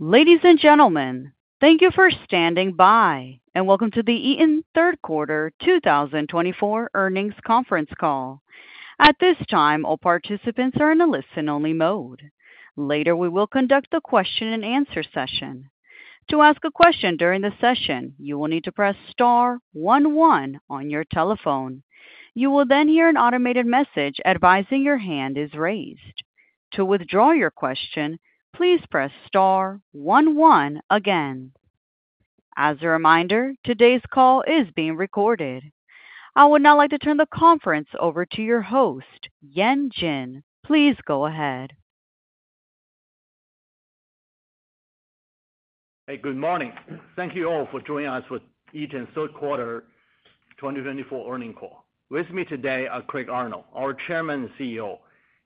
Ladies and gentlemen, thank you for standing by, and welcome to the Eaton Third Quarter 2024 earnings conference call. At this time, all participants are in a listen-only mode. Later, we will conduct the question-and-answer session. To ask a question during the session, you will need to press star one-one on your telephone. You will then hear an automated message advising your hand is raised. To withdraw your question, please press star one-one again. As a reminder, today's call is being recorded. I would now like to turn the conference over to your host, Yan Jin. Please go ahead. Hey, good morning. Thank you all for joining us for Eaton's Third Quarter 2024 earnings call. With me today are Craig Arnold, our Chairman and CEO,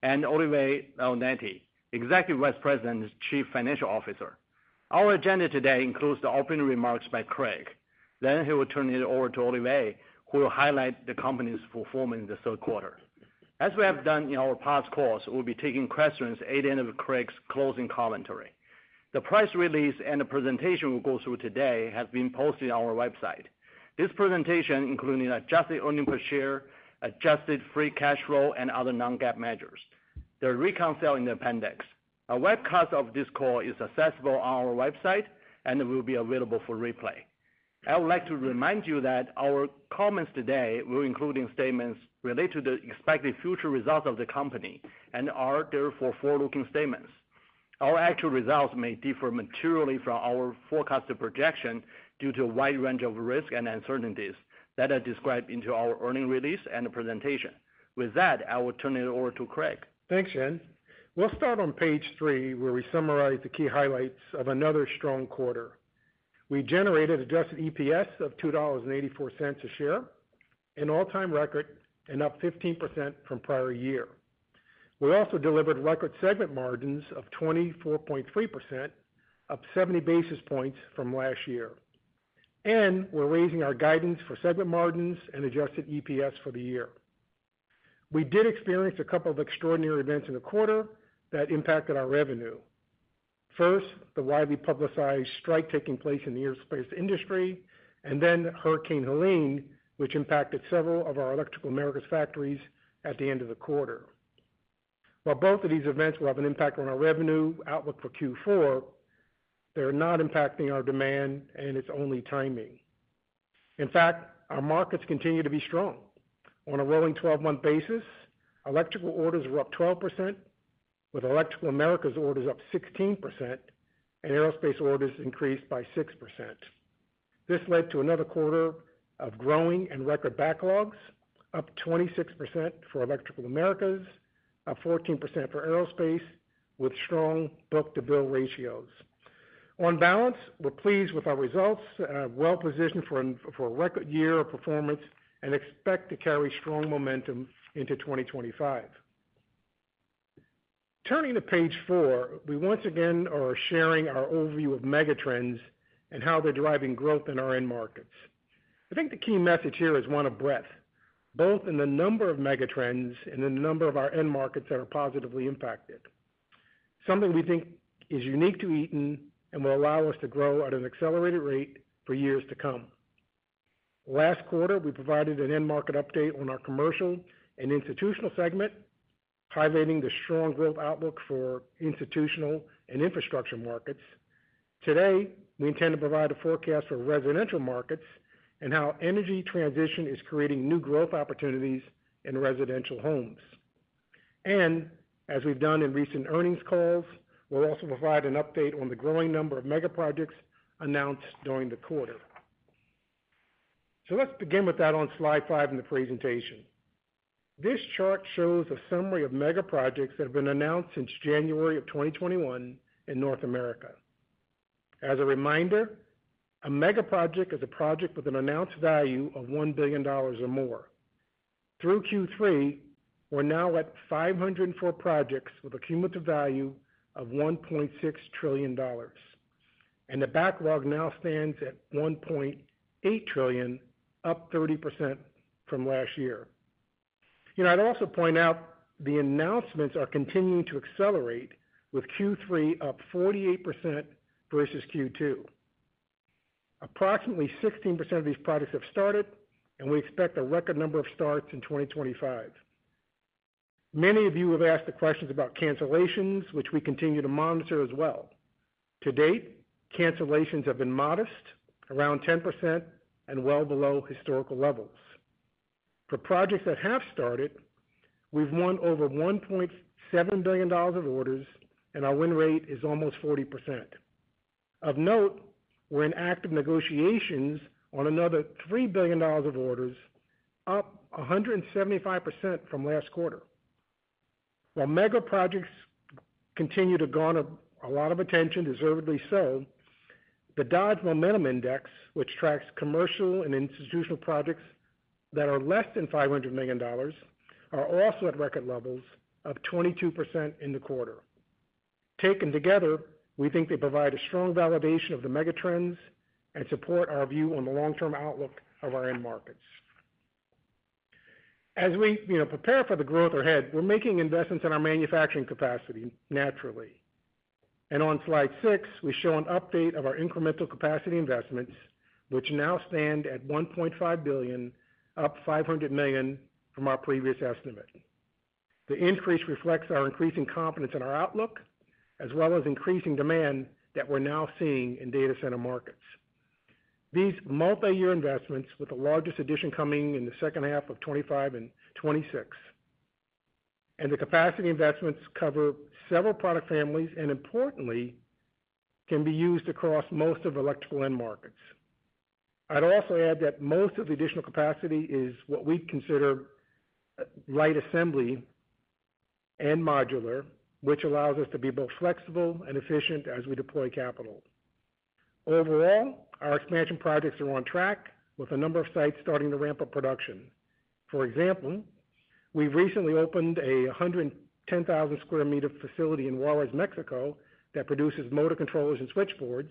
and Olivier Leonetti, Executive Vice President and Chief Financial Officer. Our agenda today includes the opening remarks by Craig. Then he will turn it over to Olivier, who will highlight the company's performance in the third quarter. As we have done in our past calls, we'll be taking questions at the end of Craig's closing commentary. The press release and the presentation we'll go through today have been posted on our website. This presentation includes Adjusted earnings per share, Adjusted free cash flow, and other non-GAAP measures. There are recaps in the appendix. A webcast of this call is accessible on our website, and it will be available for replay. I would like to remind you that our comments today will include statements related to the expected future results of the company and are therefore forward-looking statements. Our actual results may differ materially from our forecasted projection due to a wide range of risks and uncertainties that are described in our earnings release and presentation. With that, I will turn it over to Craig. Thanks, Yan. We'll start on page three, where we summarize the key highlights of another strong quarter. We generated adjusted EPS of $2.84 a share, an all-time record, and up 15% from prior year. We also delivered record segment margins of 24.3%, up 70 basis points from last year. And we're raising our guidance for segment margins and adjusted EPS for the year. We did experience a couple of extraordinary events in the quarter that impacted our revenue. First, the widely publicized strike taking place in the aerospace industry, and then Hurricane Helene, which impacted several of our Electrical Americas factories at the end of the quarter. While both of these events will have an impact on our revenue outlook for Q4, they are not impacting our demand, and it's only timing. In fact, our markets continue to be strong. On a rolling 12-month basis, electrical orders were up 12%, with Electrical Americas orders up 16%, and aerospace orders increased by 6%. This led to another quarter of growing and record backlogs, up 26% for Electrical Americas, up 14% for aerospace, with strong book-to-bill ratios. On balance, we're pleased with our results, well-positioned for a record year of performance, and expect to carry strong momentum into 2025. Turning to page four, we once again are sharing our overview of megatrends and how they're driving growth in our end markets. I think the key message here is one of breadth, both in the number of megatrends and in the number of our end markets that are positively impacted, something we think is unique to Eaton and will allow us to grow at an accelerated rate for years to come. Last quarter, we provided an end market update on our commercial and institutional segment, highlighting the strong growth outlook for institutional and infrastructure markets. Today, we intend to provide a forecast for residential markets and how energy transition is creating new growth opportunities in residential homes. And as we've done in recent earnings calls, we'll also provide an update on the growing number of mega projects announced during the quarter. So let's begin with that on slide five in the presentation. This chart shows a summary of mega projects that have been announced since January of 2021 in North America. As a reminder, a mega project is a project with an announced value of $1 billion or more. Through Q3, we're now at 504 projects with a cumulative value of $1.6 trillion, and the backlog now stands at $1.8 trillion, up 30% from last year. You know, I'd also point out the announcements are continuing to accelerate, with Q3 up 48% versus Q2. Approximately 16% of these projects have started, and we expect a record number of starts in 2025. Many of you have asked the questions about cancellations, which we continue to monitor as well. To date, cancellations have been modest, around 10%, and well below historical levels. For projects that have started, we've won over $1.7 billion of orders, and our win rate is almost 40%. Of note, we're in active negotiations on another $3 billion of orders, up 175% from last quarter. While mega projects continue to garner a lot of attention, deservedly so, the Dodge Momentum Index, which tracks commercial and institutional projects that are less than $500 million, is also at record levels of 22% in the quarter. Taken together, we think they provide a strong validation of the megatrends and support our view on the long-term outlook of our end markets. As we prepare for the growth ahead, we're making investments in our manufacturing capacity naturally. And on slide six, we show an update of our incremental capacity investments, which now stand at $1.5 billion, up $500 million from our previous estimate. The increase reflects our increasing confidence in our outlook, as well as increasing demand that we're now seeing in data center markets. These multi-year investments, with the largest addition coming in the second half of 2025 and 2026, and the capacity investments cover several product families and, importantly, can be used across most of electrical end markets. I'd also add that most of the additional capacity is what we consider light assembly and modular, which allows us to be both flexible and efficient as we deploy capital. Overall, our expansion projects are on track, with a number of sites starting to ramp up production. For example, we've recently opened a 110,000-square-meter facility in Juárez, Mexico, that produces motor controllers and switchboards.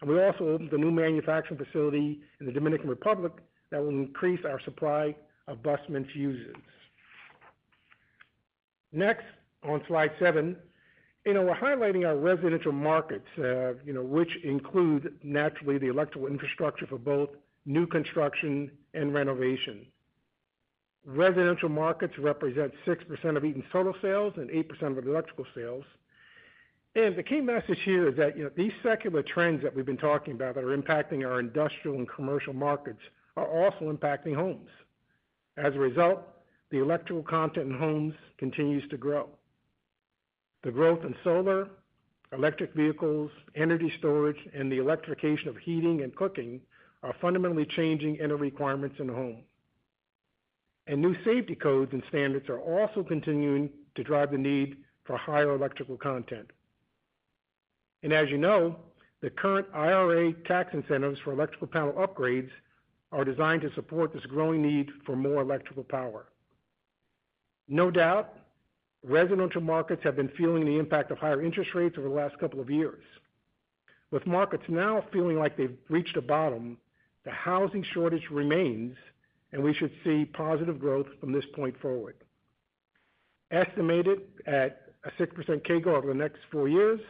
And we also opened a new manufacturing facility in the Dominican Republic that will increase our supply of Bussmann fuses. Next, on slide seven, you know, we're highlighting our residential markets, which include naturally the electrical infrastructure for both new construction and renovation. Residential markets represent 6% of Eaton's total sales and 8% of electrical sales. And the key message here is that these secular trends that we've been talking about that are impacting our industrial and commercial markets are also impacting homes. As a result, the electrical content in homes continues to grow. The growth in solar, electric vehicles, energy storage, and the electrification of heating and cooking are fundamentally changing energy requirements in homes. And new safety codes and standards are also continuing to drive the need for higher electrical content. And as you know, the current IRA tax incentives for electrical panel upgrades are designed to support this growing need for more electrical power. No doubt, residential markets have been feeling the impact of higher interest rates over the last couple of years. With markets now feeling like they've reached a bottom, the housing shortage remains, and we should see positive growth from this point forward. Estimated at a 6% CAGR over the next four years,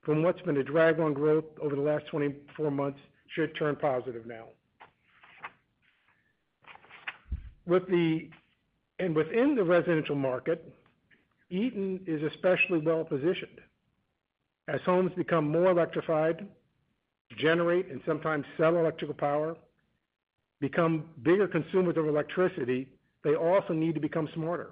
from what's been a drag on growth over the last 24 months, should turn positive now. Within the residential market, Eaton is especially well-positioned. As homes become more electrified, generate, and sometimes sell electrical power, become bigger consumers of electricity, they also need to become smarter.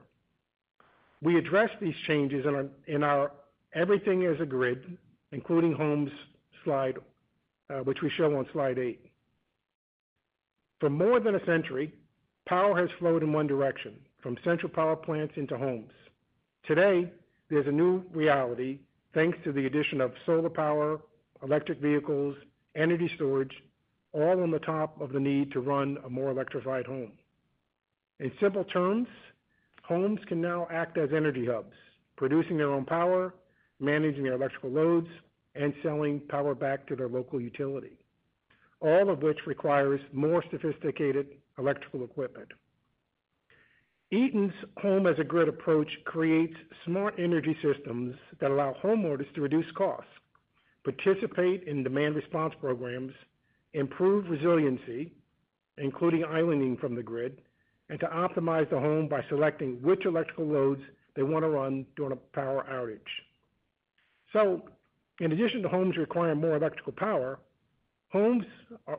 We address these changes in our Everything as a Grid, including homes slide, which we show on slide eight. For more than a century, power has flowed in one direction, from central power plants into homes. Today, there's a new reality, thanks to the addition of solar power, electric vehicles, energy storage, all on top of the need to run a more electrified home. In simple terms, homes can now act as energy hubs, producing their own power, managing their electrical loads, and selling power back to their local utility, all of which requires more sophisticated electrical equipment. Eaton's Home as a Grid approach creates smart energy systems that allow homeowners to reduce costs, participate in demand response programs, improve resiliency, including islanding from the grid, and to optimize the home by selecting which electrical loads they want to run during a power outage. In addition to homes requiring more electrical power, homes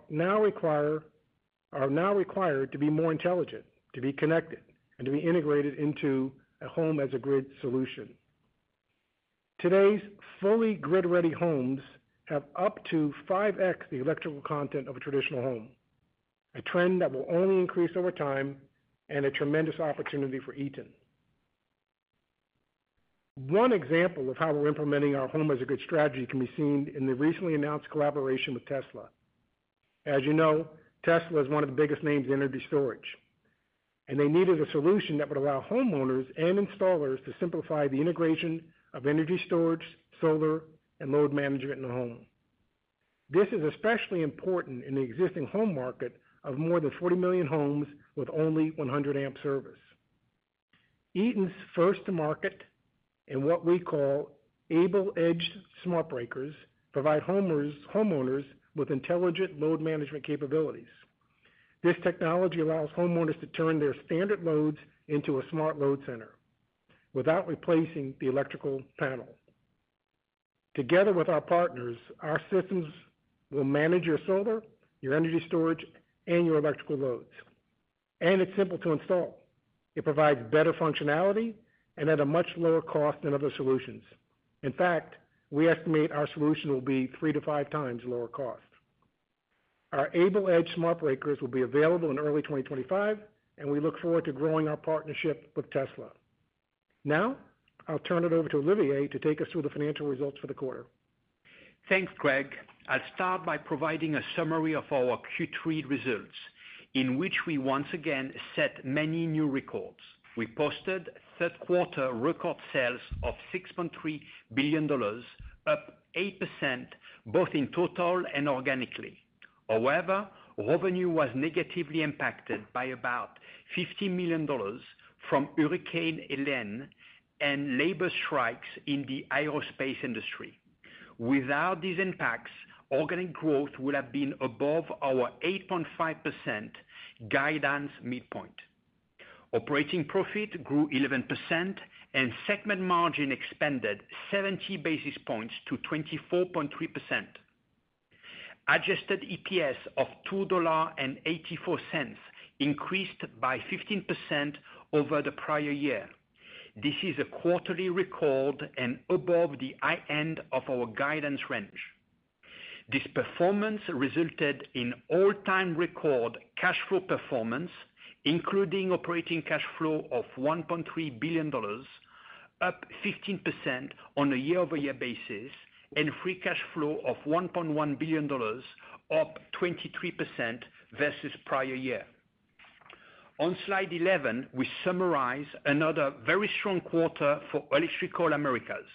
now are required to be more intelligent, to be connected, and to be integrated into a Home as a Grid solution. Today's fully grid-ready homes have up to 5x the electrical content of a traditional home, a trend that will only increase over time and a tremendous opportunity for Eaton. One example of how we're implementing our Home as a Grid strategy can be seen in the recently announced collaboration with Tesla. As you know, Tesla is one of the biggest names in energy storage, and they needed a solution that would allow homeowners and installers to simplify the integration of energy storage, solar, and load management in the home. This is especially important in the existing home market of more than 40 million homes with only 100 amp service. Eaton's first-to-market and what we call AbleEdge smart breakers provide homeowners with intelligent load management capabilities. This technology allows homeowners to turn their standard loads into a smart load center without replacing the electrical panel. Together with our partners, our systems will manage your solar, your energy storage, and your electrical loads. And it's simple to install. It provides better functionality and at a much lower cost than other solutions. In fact, we estimate our solution will be three to five times lower cost. Our AbleEdge smart breakers will be available in early 2025, and we look forward to growing our partnership with Tesla. Now, I'll turn it over to Olivier to take us through the financial results for the quarter. Thanks, Craig. I'll start by providing a summary of our Q3 results, in which we once again set many new records. We posted third-quarter record sales of $6.3 billion, up 8% both in total and organically. However, revenue was negatively impacted by about $15 million from Hurricane Helene and labor strikes in the aerospace industry. Without these impacts, organic growth would have been above our 8.5% guidance midpoint. Operating profit grew 11%, and segment margin expanded 70 basis points to 24.3%. Adjusted EPS of $2.84 increased by 15% over the prior year. This is a quarterly record and above the high end of our guidance range. This performance resulted in all-time record cash flow performance, including operating cash flow of $1.3 billion, up 15% on a year-over-year basis, and free cash flow of $1.1 billion, up 23% versus prior year. On slide 11, we summarize another very strong quarter for Electrical Americas.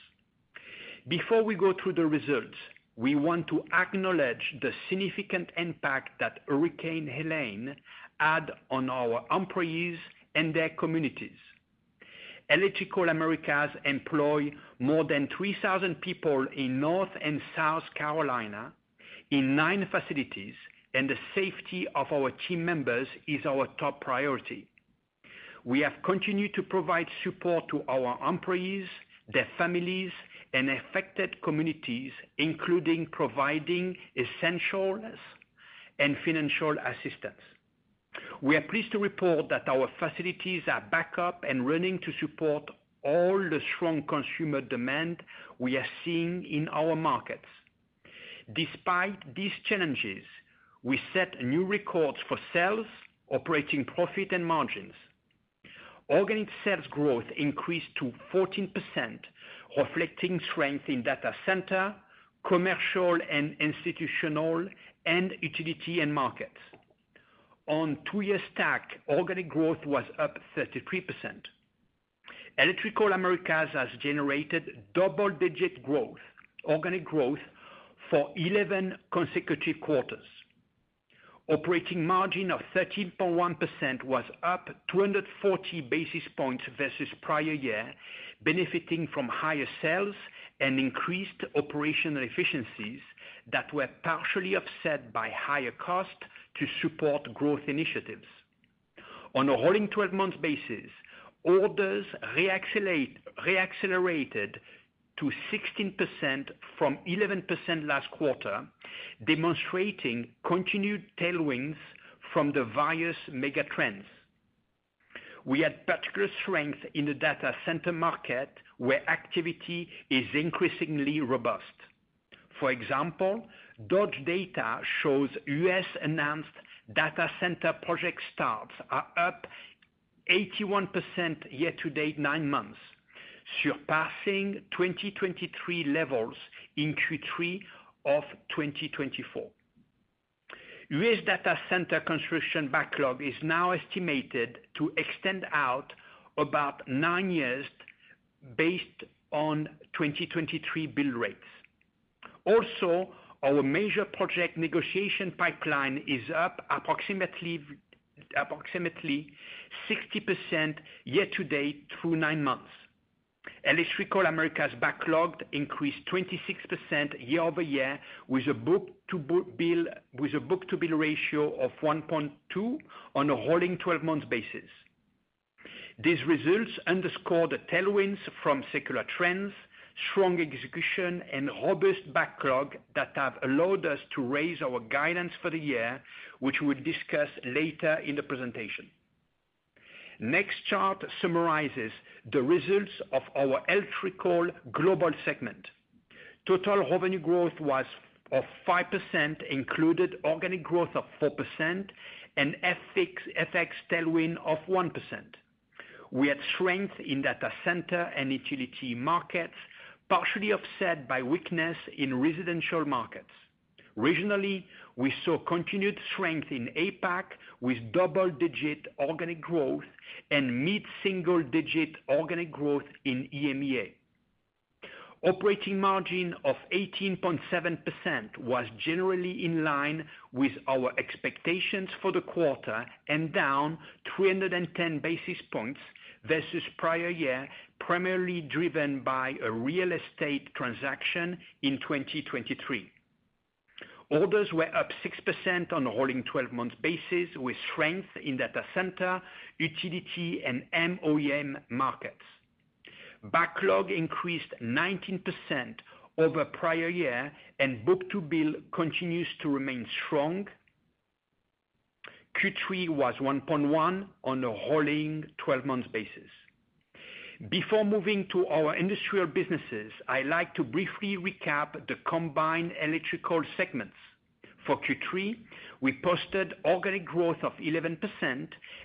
Before we go through the results, we want to acknowledge the significant impact that Hurricane Helene had on our employees and their communities. Electrical Americas employ more than 3,000 people in North and South Carolina in nine facilities, and the safety of our team members is our top priority. We have continued to provide support to our employees, their families, and affected communities, including providing essentials and financial assistance. We are pleased to report that our facilities are back up and running to support all the strong consumer demand we are seeing in our markets. Despite these challenges, we set new records for sales, operating profit, and margins. Organic sales growth increased to 14%, reflecting strength in data center, commercial, and institutional end utility and markets. On two-year stack, organic growth was up 33%. Electrical Americas has generated double-digit growth, organic growth for 11 consecutive quarters. Operating margin of 13.1% was up 240 basis points versus prior year, benefiting from higher sales and increased operational efficiencies that were partially offset by higher cost to support growth initiatives. On a rolling 12-month basis, orders reaccelerated to 16% from 11% last quarter, demonstrating continued tailwinds from the various mega trends. We had particular strength in the data center market, where activity is increasingly robust. For example, DOGE data shows U.S. announced data center project starts are up 81% year-to-date nine months, surpassing 2023 levels in Q3 of 2024. U.S. data center construction backlog is now estimated to extend out about nine years based on 2023 bill rates. Also, our major project negotiation pipeline is up approximately 60% year-to-date through nine months. Electrical Americas backlog increased 26% year-over-year with a book-to-bill ratio of 1.2 on a rolling 12-month basis. These results underscore the tailwinds from secular trends, strong execution, and robust backlog that have allowed us to raise our guidance for the year, which we'll discuss later in the presentation. Next chart summarizes the results of our electrical global segment. Total revenue growth was 5%, including organic growth of 4%, and FX tailwind of 1%. We had strength in data center and utility markets, partially offset by weakness in residential markets. Regionally, we saw continued strength in APAC with double-digit organic growth and mid-single-digit organic growth in EMEA. Operating margin of 18.7% was generally in line with our expectations for the quarter and down 310 basis points versus prior year, primarily driven by a real estate transaction in 2023. Orders were up 6% on a rolling 12-month basis with strength in data center, utility, and MOEM markets. Backlog increased 19% over prior year, and book-to-bill continues to remain strong. Q3 was 1.1 on a rolling 12-month basis. Before moving to our industrial businesses, I'd like to briefly recap the combined electrical segments. For Q3, we posted organic growth of 11%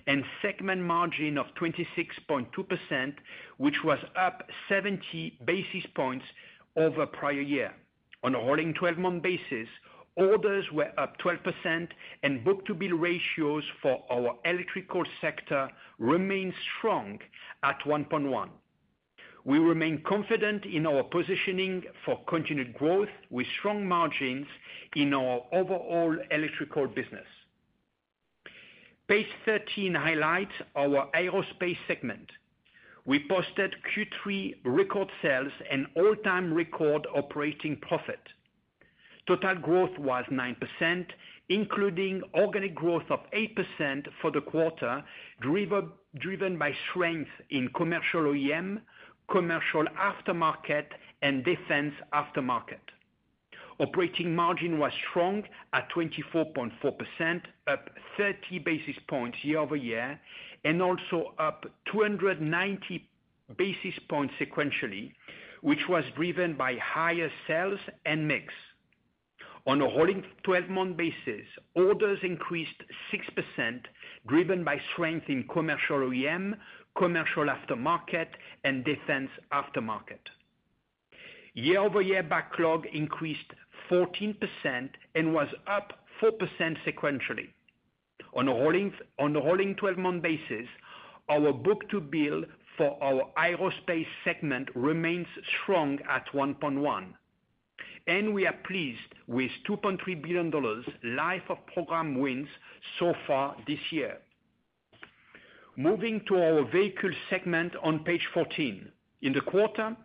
and segment margin of 26.2%, which was up 70 basis points over prior year. On a rolling 12-month basis, orders were up 12%, and book-to-bill ratios for our electrical sector remained strong at 1.1. We remain confident in our positioning for continued growth with strong margins in our overall electrical business. Page 13 highlights our aerospace segment. We posted Q3 record sales and all-time record operating profit. Total growth was 9%, including organic growth of 8% for the quarter, driven by strength in commercial OEM, commercial aftermarket, and defense aftermarket. Operating margin was strong at 24.4%, up 30 basis points year-over-year, and also up 290 basis points sequentially, which was driven by higher sales and mix. On a rolling 12-month basis, orders increased 6%, driven by strength in commercial OEM, commercial aftermarket, and defense aftermarket. Year-over-year backlog increased 14% and was up 4% sequentially. On a rolling 12-month basis, our book-to-bill for our aerospace segment remains strong at 1.1, and we are pleased with $2.3 billion life-of-program wins so far this year. Moving to our vehicle segment on page 14. In the quarter,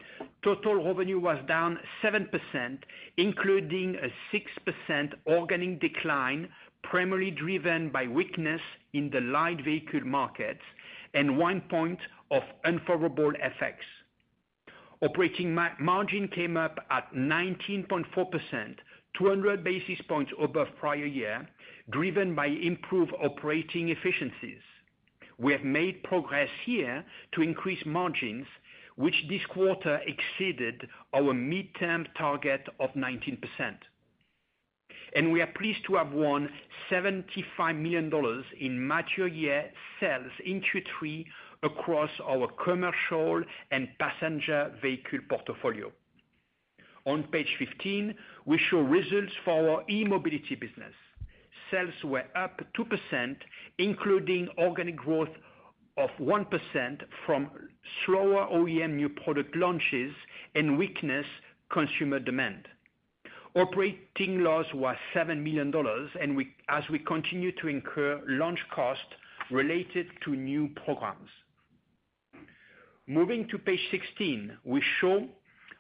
total revenue was down 7%, including a 6% organic decline, primarily driven by weakness in the light vehicle markets and one point of unfavorable FX. Operating margin came up at 19.4%, 200 basis points above prior year, driven by improved operating efficiencies. We have made progress here to increase margins, which this quarter exceeded our midterm target of 19%. We are pleased to have won $75 million in multi-year sales in Q3 across our commercial and passenger vehicle portfolio. On page 15, we show results for our e-mobility business. Sales were up 2%, including organic growth of 1% from slower OEM new product launches and weakness in consumer demand. Operating loss was $7 million, as we continue to incur launch costs related to new programs. Moving to page 16, we show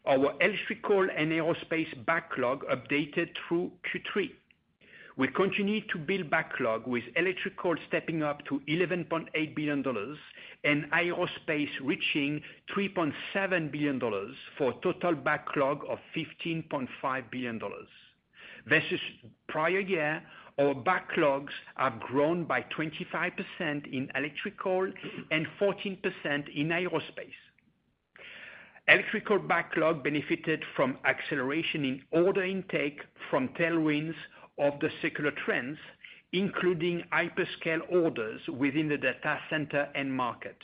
our electrical and aerospace backlog updated through Q3. We continue to build backlog with electrical stepping up to $11.8 billion and aerospace reaching $3.7 billion for a total backlog of $15.5 billion. Versus prior year, our backlogs have grown by 25% in electrical and 14% in aerospace. Electrical backlog benefited from acceleration in order intake from tailwinds of the secular trends, including hyperscale orders within the data center and market.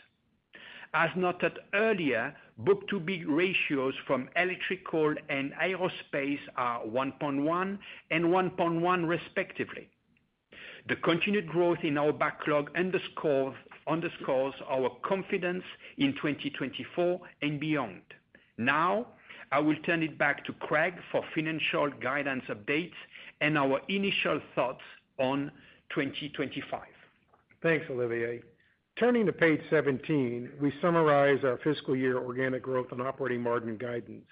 As noted earlier, book-to-bill ratios from electrical and aerospace are 1.1 and 1.1 respectively. The continued growth in our backlog underscores our confidence in 2024 and beyond. Now, I will turn it back to Craig for financial guidance updates and our initial thoughts on 2025. Thanks, Olivier. Turning to page 17, we summarize our fiscal year organic growth and operating margin guidance.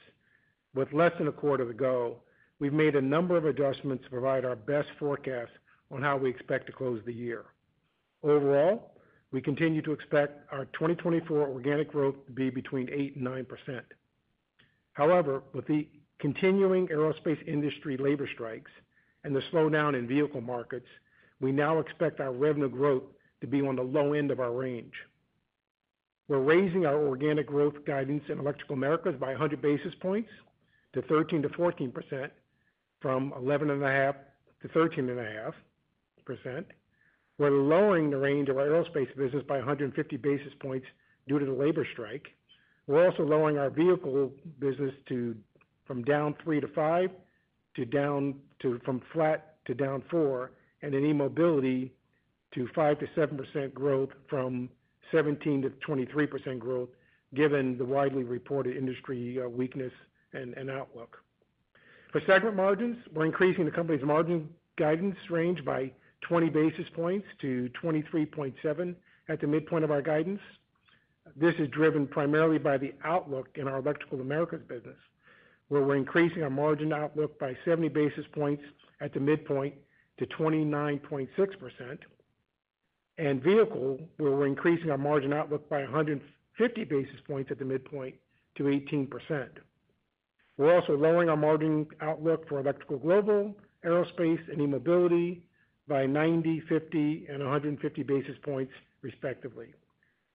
With less than a quarter to go, we've made a number of adjustments to provide our best forecast on how we expect to close the year. Overall, we continue to expect our 2024 organic growth to be between 8% and 9%. However, with the continuing aerospace industry labor strikes and the slowdown in vehicle markets, we now expect our revenue growth to be on the low end of our range. We're raising our organic growth guidance in Electrical Americas by 100 basis points to 13%-14% from 11.5%-13.5%. We're lowering the range of our aerospace business by 150 basis points due to the labor strike. We're also lowering our vehicle business from down 3-5 to down from flat to down 4, and in e-mobility to 5-7% growth from 17-23% growth, given the widely reported industry weakness and outlook. For segment margins, we're increasing the company's margin guidance range by 20 basis points to 23.7% at the midpoint of our guidance. This is driven primarily by the outlook in our Electrical Americas business, where we're increasing our margin outlook by 70 basis points at the midpoint to 29.6%, and vehicle, where we're increasing our margin outlook by 150 basis points at the midpoint to 18%. We're also lowering our margin outlook for Electrical Global, Aerospace, and E-mobility by 90, 50, and 150 basis points respectively.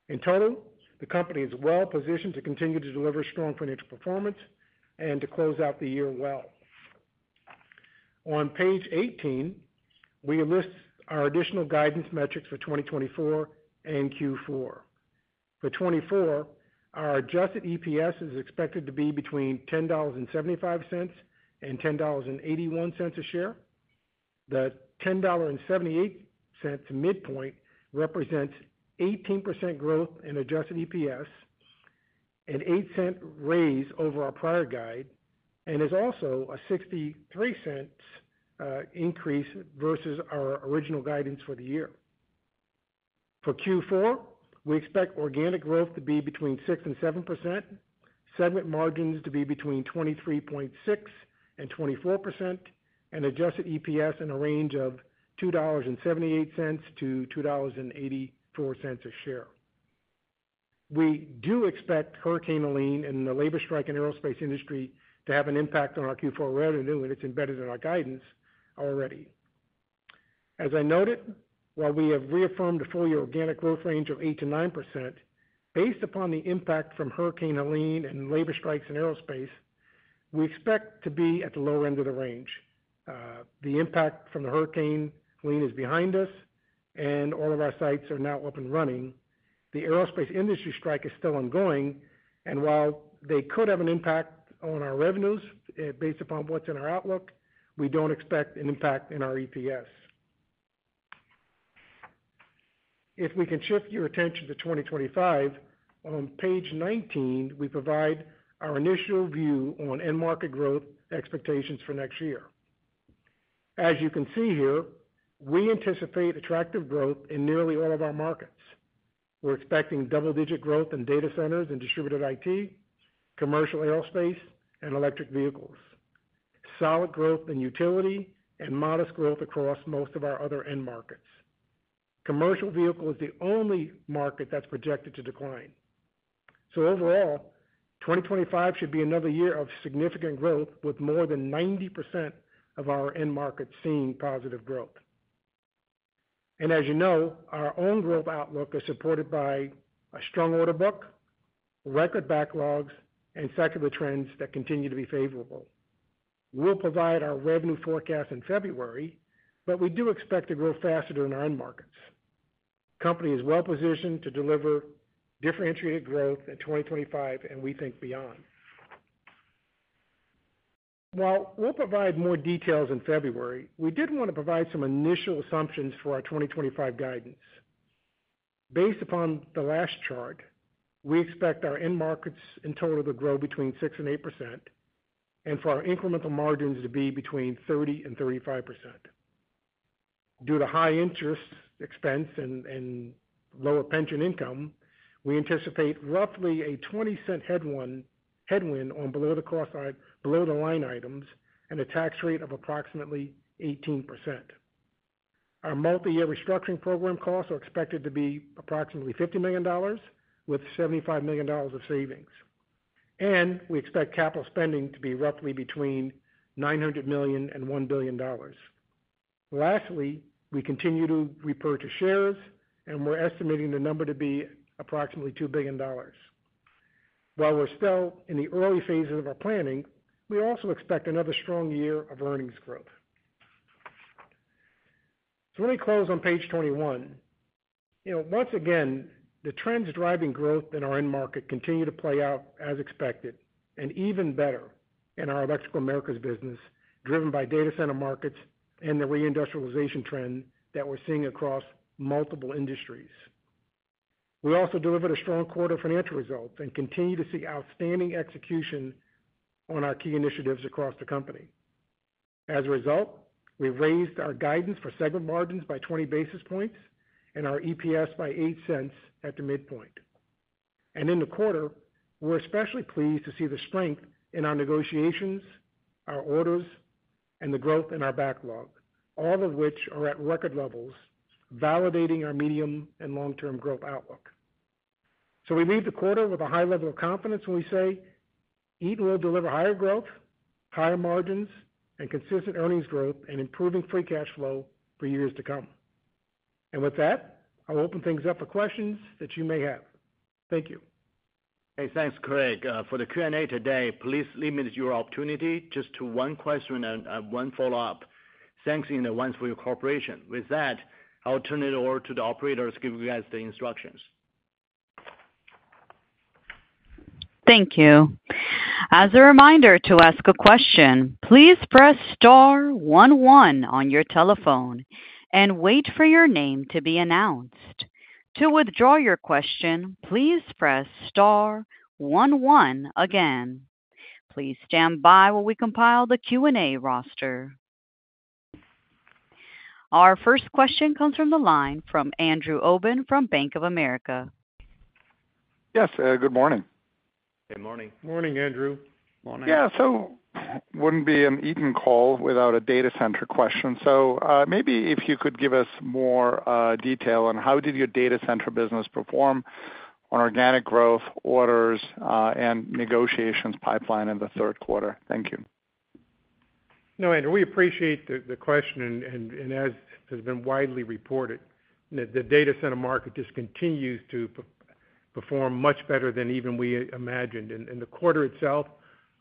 In total, the company is well positioned to continue to deliver strong financial performance and to close out the year well. On page 18, we list our additional guidance metrics for 2024 and Q4. For '24, our adjusted EPS is expected to be between $10.75 and $10.81 a share. The $10.78 midpoint represents 18% growth in adjusted EPS, a $0.08 raise over our prior guide, and is also a $0.63 increase versus our original guidance for the year. For Q4, we expect organic growth to be between 6% and 7%, segment margins to be between 23.6% and 24%, and adjusted EPS in a range of $2.78 to $2.84 a share. We do expect Hurricane Helene and the labor strike in the aerospace industry to have an impact on our Q4 revenue, and it's embedded in our guidance already. As I noted, while we have reaffirmed a four-year organic growth range of 8%-9%, based upon the impact from Hurricane Helene and labor strikes in aerospace, we expect to be at the lower end of the range. The impact from the Hurricane Helene is behind us, and all of our sites are now up and running. The aerospace industry strike is still ongoing, and while they could have an impact on our revenues based upon what's in our outlook, we don't expect an impact in our EPS. If we can shift your attention to 2025, on page 19, we provide our initial view on end-market growth expectations for next year. As you can see here, we anticipate attractive growth in nearly all of our markets. We're expecting double-digit growth in data centers and distributed IT, commercial aerospace, and electric vehicles. Solid growth in utility and modest growth across most of our other end markets. Commercial vehicle is the only market that's projected to decline, so overall, 2025 should be another year of significant growth, with more than 90% of our end markets seeing positive growth, and as you know, our own growth outlook is supported by a strong order book, record backlogs, and secular trends that continue to be favorable. We'll provide our revenue forecast in February, but we do expect to grow faster than our end markets. The company is well positioned to deliver differentiated growth in 2025, and we think beyond. While we'll provide more details in February, we did want to provide some initial assumptions for our 2025 guidance. Based upon the last chart, we expect our end markets in total to grow between 6%-8%, and for our incremental margins to be between 30%-35%. Due to high interest expense and lower pension income, we anticipate roughly a $0.20 headwind on below the line items and a tax rate of approximately 18%. Our multi-year restructuring program costs are expected to be approximately $50 million, with $75 million of savings, and we expect capital spending to be roughly between $900 million-$1 billion. Lastly, we continue to repurchase shares, and we're estimating the number to be approximately $2 billion. While we're still in the early phases of our planning, we also expect another strong year of earnings growth. So let me close on page 21. Once again, the trends driving growth in our end market continue to play out as expected and even better in our Electrical Americas business, driven by data center markets and the reindustrialization trend that we're seeing across multiple industries. We also delivered a strong quarter financial result and continue to see outstanding execution on our key initiatives across the company. As a result, we raised our guidance for segment margins by 20 basis points and our EPS by $0.08 at the midpoint, and in the quarter, we're especially pleased to see the strength in our negotiations, our orders, and the growth in our backlog, all of which are at record levels, validating our medium and long-term growth outlook. So we leave the quarter with a high level of confidence when we say Eaton will deliver higher growth, higher margins, and consistent earnings growth and improving free cash flow for years to come. And with that, I'll open things up for questions that you may have. Thank you. Hey, thanks, Craig. For the Q&A today, please limit your opportunity just to one question and one follow-up. Thanks in advance for your cooperation. With that, I'll turn it over to the operators to give you guys the instructions. Thank you. As a reminder to ask a question, please press star 11 on your telephone and wait for your name to be announced. To withdraw your question, please press star 11 again. Please stand by while we compile the Q&A roster. Our first question comes from the line of Andrew Obin from Bank of America. Yes, good morning. Good morning. Morning, Andrew. Morning. Yeah, so it wouldn't be an Eaton call without a data center question. So maybe if you could give us more detail on how did your data center business perform on organic growth, orders, and negotiations pipeline in the third quarter? Thank you. No, Andrew, we appreciate the question, and as has been widely reported, the data center market just continues to perform much better than even we imagined. In the quarter itself,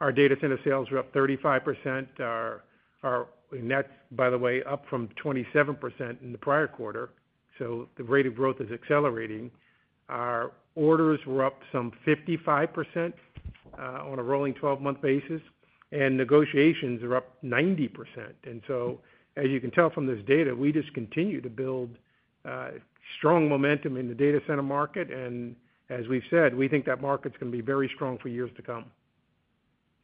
our data center sales were up 35%. Our nets, by the way, up from 27% in the prior quarter. So the rate of growth is accelerating. Our orders were up some 55% on a rolling 12-month basis, and negotiations are up 90%. And so, as you can tell from this data, we just continue to build strong momentum in the data center market. And as we've said, we think that market's going to be very strong for years to come.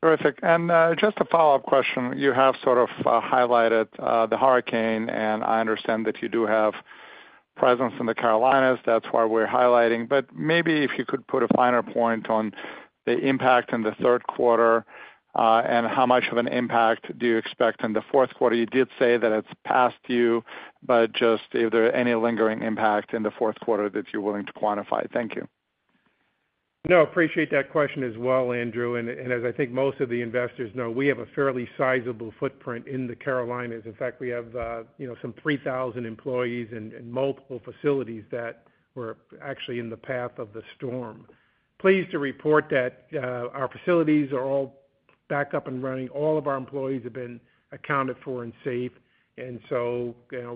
Terrific, and just a follow-up question. You have sort of highlighted the hurricane, and I understand that you do have presence in the Carolinas. That's why we're highlighting. But maybe if you could put a finer point on the impact in the third quarter and how much of an impact do you expect in the fourth quarter? You did say that it's past you, but just if there are any lingering impacts in the fourth quarter that you're willing to quantify? Thank you. No, I appreciate that question as well, Andrew. As I think most of the investors know, we have a fairly sizable footprint in the Carolinas. In fact, we have some 3,000 employees and multiple facilities that were actually in the path of the storm. Pleased to report that our facilities are all back up and running. All of our employees have been accounted for and safe.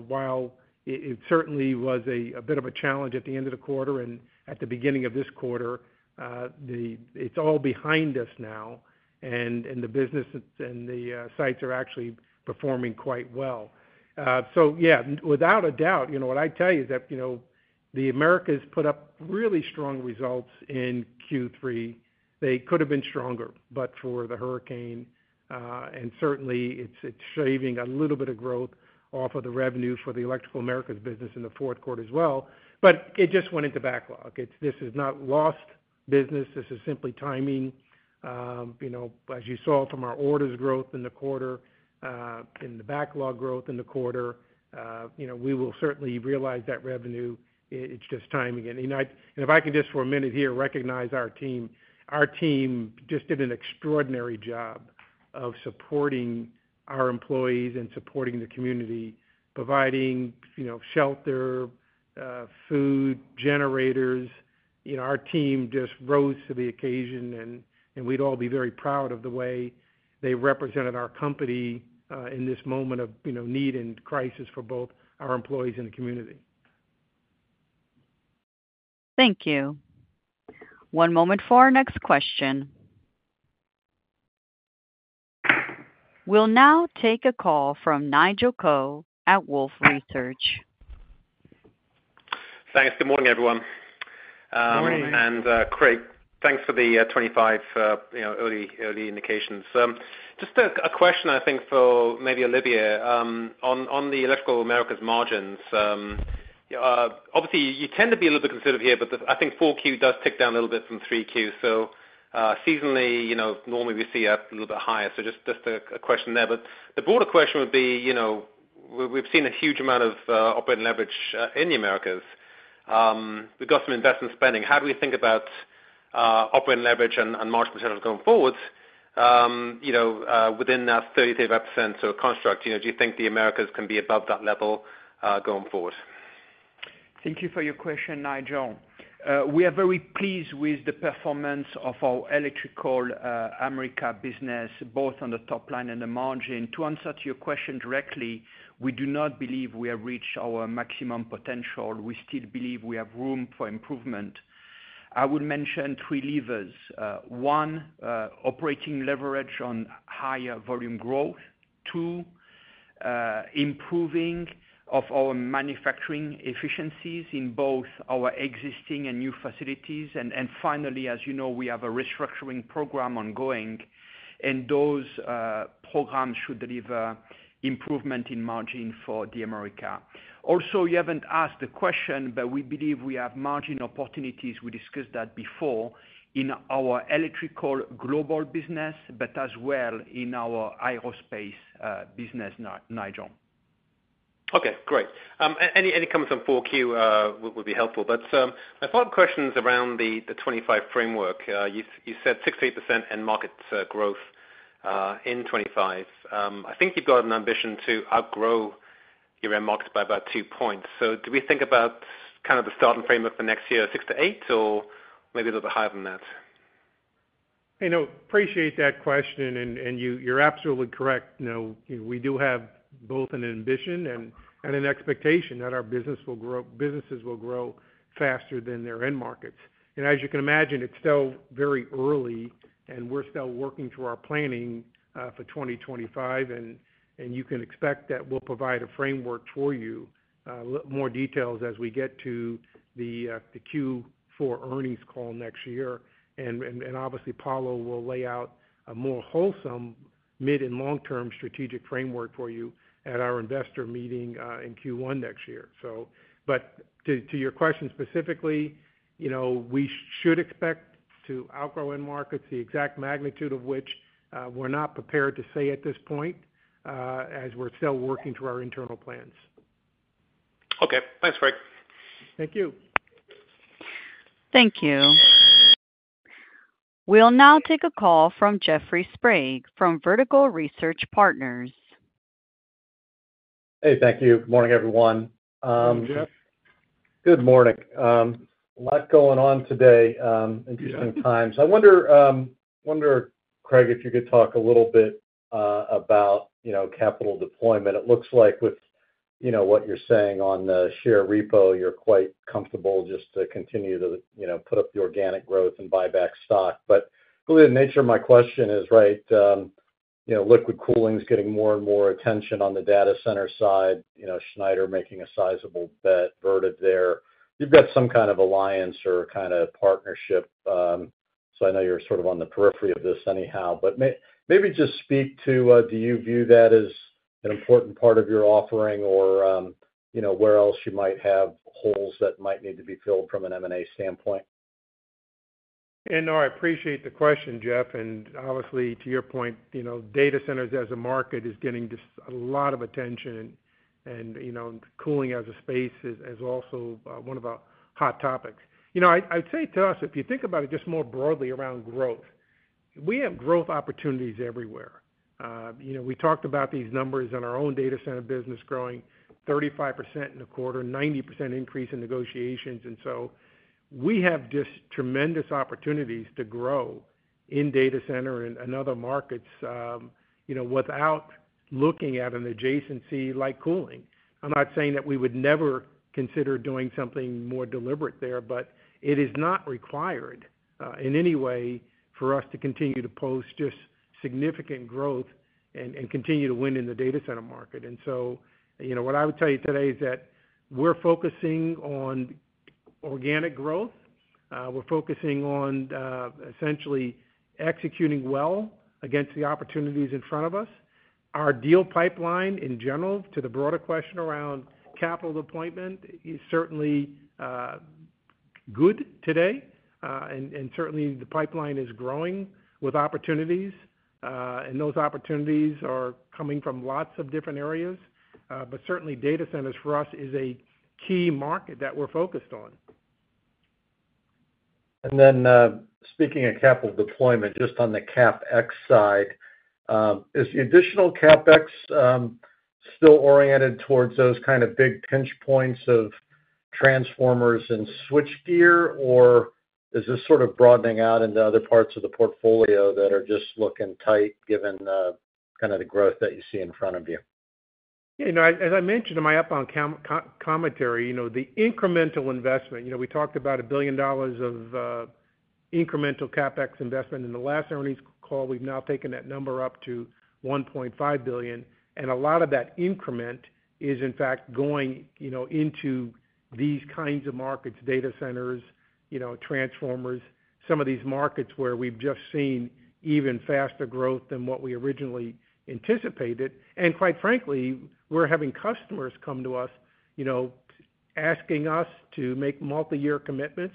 While it certainly was a bit of a challenge at the end of the quarter and at the beginning of this quarter, it's all behind us now, and the business and the sites are actually performing quite well. Yeah, without a doubt, what I tell you is that the Americas put up really strong results in Q3. They could have been stronger, but for the hurricane, and certainly it's shaving a little bit of growth off of the revenue for the Electrical Americas business in the fourth quarter as well, but it just went into backlog. This is not lost business. This is simply timing. As you saw from our orders growth in the quarter, in the backlog growth in the quarter, we will certainly realize that revenue. It's just timing, and if I can just for a minute here recognize our team. Our team just did an extraordinary job of supporting our employees and supporting the community, providing shelter, food, generators. Our team just rose to the occasion, and we'd all be very proud of the way they represented our company in this moment of need and crisis for both our employees and the community. Thank you. One moment for our next question. We'll now take a call from Nigel Coe at Wolfe Research. Thanks. Good morning, everyone. Good morning. Craig, thanks for the 2Q early indications. Just a question, I think, for maybe Olivier. On the Electrical Americas margins, obviously you tend to be a little bit conservative here, but I think 4Q does tick down a little bit from 3Q. So seasonally, normally we see a little bit higher. So just a question there. But the broader question would be, we've seen a huge amount of operating leverage in the Americas. We've got some investment spending. How do we think about operating leverage and margin potential going forward within that 30% construct? Do you think the Americas can be above that level going forward? Thank you for your question, Nigel. We are very pleased with the performance of our Electrical Americas business, both on the top line and the margin. To answer your question directly, we do not believe we have reached our maximum potential. We still believe we have room for improvement. I will mention three levers. One, operating leverage on higher volume growth. Two, improving of our manufacturing efficiencies in both our existing and new facilities. And finally, as you know, we have a restructuring program ongoing, and those programs should deliver improvement in margin for the Americas. Also, you haven't asked the question, but we believe we have margin opportunities. We discussed that before in our Electrical Global business, but as well in our aerospace business, Nigel. Okay, great. Any comments on 4Q would be helpful. But my follow-up question is around the 2025 framework. You said 6%-8% end market growth in 2025. I think you've got an ambition to outgrow your end markets by about two points. So do we think about kind of the starting framework for next year, 6%-8%, or maybe a little bit higher than that? I appreciate that question, and you're absolutely correct. We do have both an ambition and an expectation that our businesses will grow faster than their end markets. And as you can imagine, it's still very early, and we're still working through our planning for 2025. And you can expect that we'll provide a framework for you, more details as we get to the Q4 earnings call next year. And obviously, Paulo will lay out a more wholesome mid and long-term strategic framework for you at our investor meeting in Q1 next year. But to your question specifically, we should expect to outgrow end markets, the exact magnitude of which we're not prepared to say at this point, as we're still working through our internal plans. Okay. Thanks, Craig. Thank you. Thank you. We'll now take a call from Jeffrey Sprague from Vertical Research Partners. Hey, thank you. Good morning, everyone. Morning, Jeff. Good morning. A lot going on today. Interesting times. I wonder, Craig, if you could talk a little bit about capital deployment. It looks like with what you're saying on the share repo, you're quite comfortable just to continue to put up the organic growth and buy back stock. But really, the nature of my question is, right, liquid cooling is getting more and more attention on the data center side. Schneider making a sizable bet, Vertiv there. You've got some kind of alliance or kind of partnership. So I know you're sort of on the periphery of this anyhow, but maybe just speak to do you view that as an important part of your offering or where else you might have holes that might need to be filled from an M&A standpoint? I appreciate the question, Jeff. Obviously, to your point, data centers as a market is getting just a lot of attention, and cooling as a space is also one of our hot topics. I'd say to us, if you think about it just more broadly around growth, we have growth opportunities everywhere. We talked about these numbers in our own data center business growing 35% in the quarter, 90% increase in negotiations. We have just tremendous opportunities to grow in data center and other markets without looking at an adjacency like cooling. I'm not saying that we would never consider doing something more deliberate there, but it is not required in any way for us to continue to post just significant growth and continue to win in the data center market. What I would tell you today is that we're focusing on organic growth. We're focusing on essentially executing well against the opportunities in front of us. Our deal pipeline, in general, to the broader question around capital deployment, is certainly good today. And certainly, the pipeline is growing with opportunities. And those opportunities are coming from lots of different areas. But certainly, data centers for us is a key market that we're focused on. Then speaking of capital deployment, just on the CapEx side, is the additional CapEx still oriented towards those kind of big pinch points of transformers and switchgear, or is this sort of broadening out into other parts of the portfolio that are just looking tight given kind of the growth that you see in front of you? As I mentioned in my opening commentary, the incremental investment, we talked about $1 billion of incremental CapEx investment. In the last earnings call, we've now taken that number up to $1.5 billion. And a lot of that increment is, in fact, going into these kinds of markets, data centers, transformers, some of these markets where we've just seen even faster growth than what we originally anticipated. And quite frankly, we're having customers come to us asking us to make multi-year commitments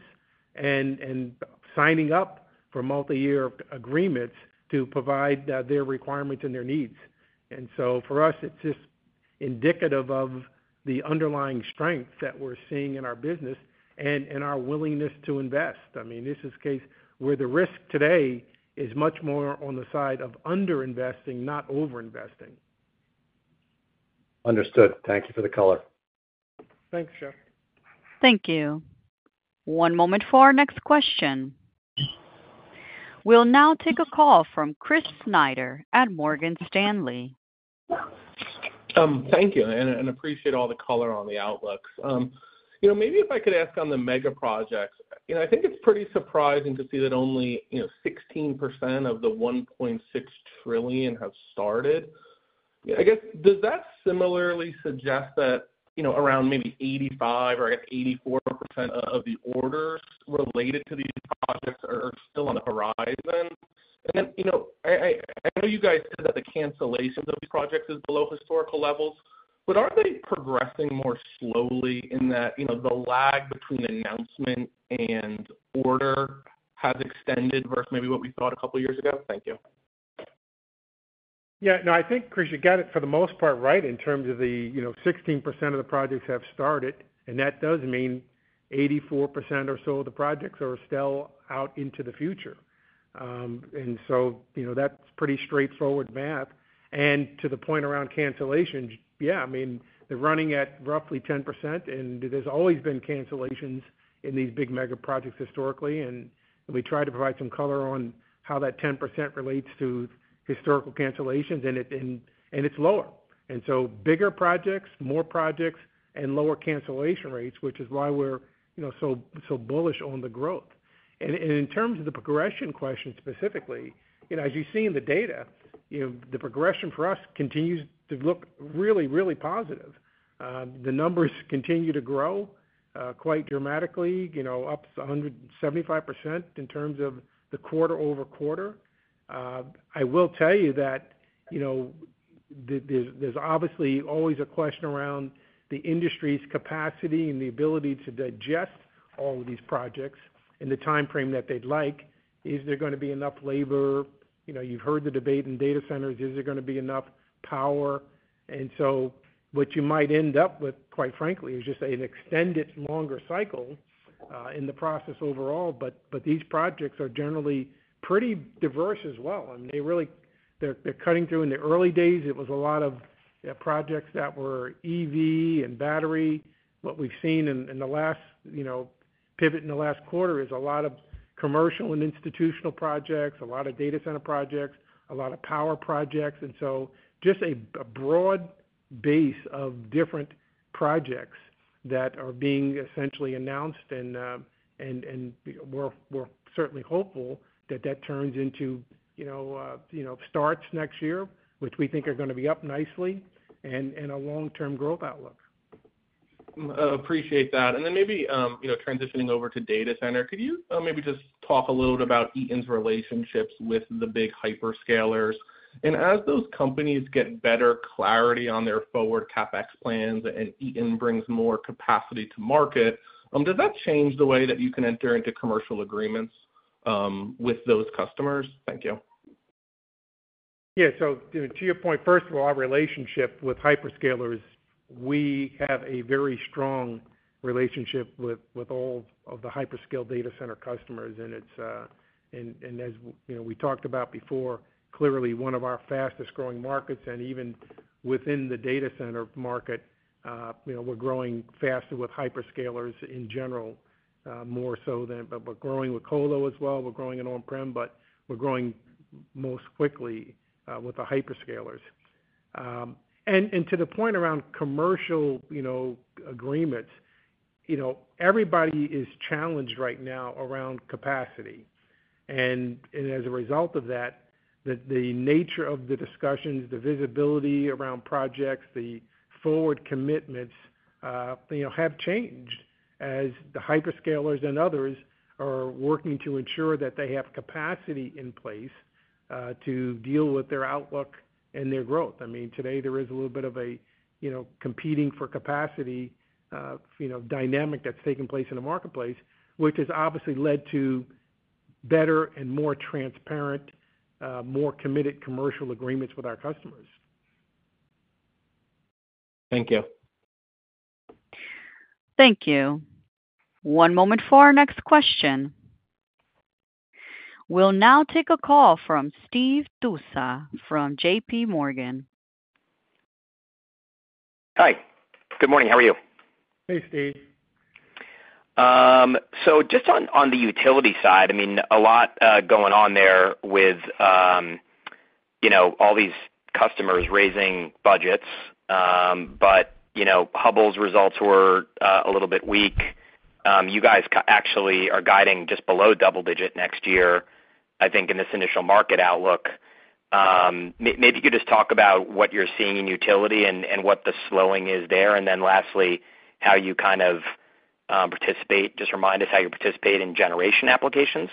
and signing up for multi-year agreements to provide their requirements and their needs. And so for us, it's just indicative of the underlying strength that we're seeing in our business and our willingness to invest. I mean, this is a case where the risk today is much more on the side of underinvesting, not overinvesting. Understood. Thank you for the color. Thanks, Jeff. Thank you. One moment for our next question. We'll now take a call from Chris Snyder at Morgan Stanley. Thank you. And I appreciate all the color on the outlook. Maybe if I could ask on the mega projects, I think it's pretty surprising to see that only 16% of the $1.6 trillion have started. I guess, does that similarly suggest that around maybe 85% or 84% of the orders related to these projects are still on the horizon? And I know you guys said that the cancellations of these projects are below historical levels, but are they progressing more slowly in that the lag between announcement and order has extended versus maybe what we thought a couple of years ago? Thank you. Yeah. No, I think, Chris, you got it for the most part right in terms of the 16% of the projects have started. And that does mean 84% or so of the projects are still out into the future. And so that's pretty straightforward math. And to the point around cancellations, yeah, I mean, they're running at roughly 10%, and there's always been cancellations in these big mega projects historically. And we tried to provide some color on how that 10% relates to historical cancellations, and it's lower. And so bigger projects, more projects, and lower cancellation rates, which is why we're so bullish on the growth. And in terms of the progression question specifically, as you see in the data, the progression for us continues to look really, really positive. The numbers continue to grow quite dramatically, up 75% in terms of the quarter over quarter. I will tell you that there's obviously always a question around the industry's capacity and the ability to digest all of these projects in the time frame that they'd like. Is there going to be enough labor? You've heard the debate in data centers. Is there going to be enough power? And so what you might end up with, quite frankly, is just an extended longer cycle in the process overall. But these projects are generally pretty diverse as well. I mean, they're cutting through in the early days. It was a lot of projects that were EV and battery. What we've seen in the last pivot in the last quarter is a lot of commercial and institutional projects, a lot of data center projects, a lot of power projects. And so just a broad base of different projects that are being essentially announced. We're certainly hopeful that that turns into starts next year, which we think are going to be up nicely, and a long-term growth outlook. Appreciate that. And then maybe transitioning over to data center, could you maybe just talk a little bit about Eaton's relationships with the big hyperscalers? And as those companies get better clarity on their forward CapEx plans and Eaton brings more capacity to market, does that change the way that you can enter into commercial agreements with those customers? Thank you. Yeah. So to your point, first of all, our relationship with hyperscalers. We have a very strong relationship with all of the hyperscale data center customers. And as we talked about before, clearly, one of our fastest growing markets. And even within the data center market, we're growing faster with hyperscalers in general, more so than we're growing with Colo as well. We're growing on-prem, but we're growing most quickly with the hyperscalers. And to the point around commercial agreements, everybody is challenged right now around capacity. And as a result of that, the nature of the discussions, the visibility around projects, the forward commitments have changed as the hyperscalers and others are working to ensure that they have capacity in place to deal with their outlook and their growth. I mean, today, there is a little bit of a competing for capacity dynamic that's taking place in the marketplace, which has obviously led to better and more transparent, more committed commercial agreements with our customers. Thank you. Thank you. One moment for our next question. We'll now take a call from Steve Tusa from JP Morgan. Hi. Good morning. How are you? Hey, Steve. So just on the utility side, I mean, a lot going on there with all these customers raising budgets. But Hubbell's results were a little bit weak. You guys actually are guiding just below double-digit next year, I think, in this initial market outlook. Maybe you could just talk about what you're seeing in utility and what the slowing is there. And then lastly, how you kind of participate. Just remind us how you participate in generation applications.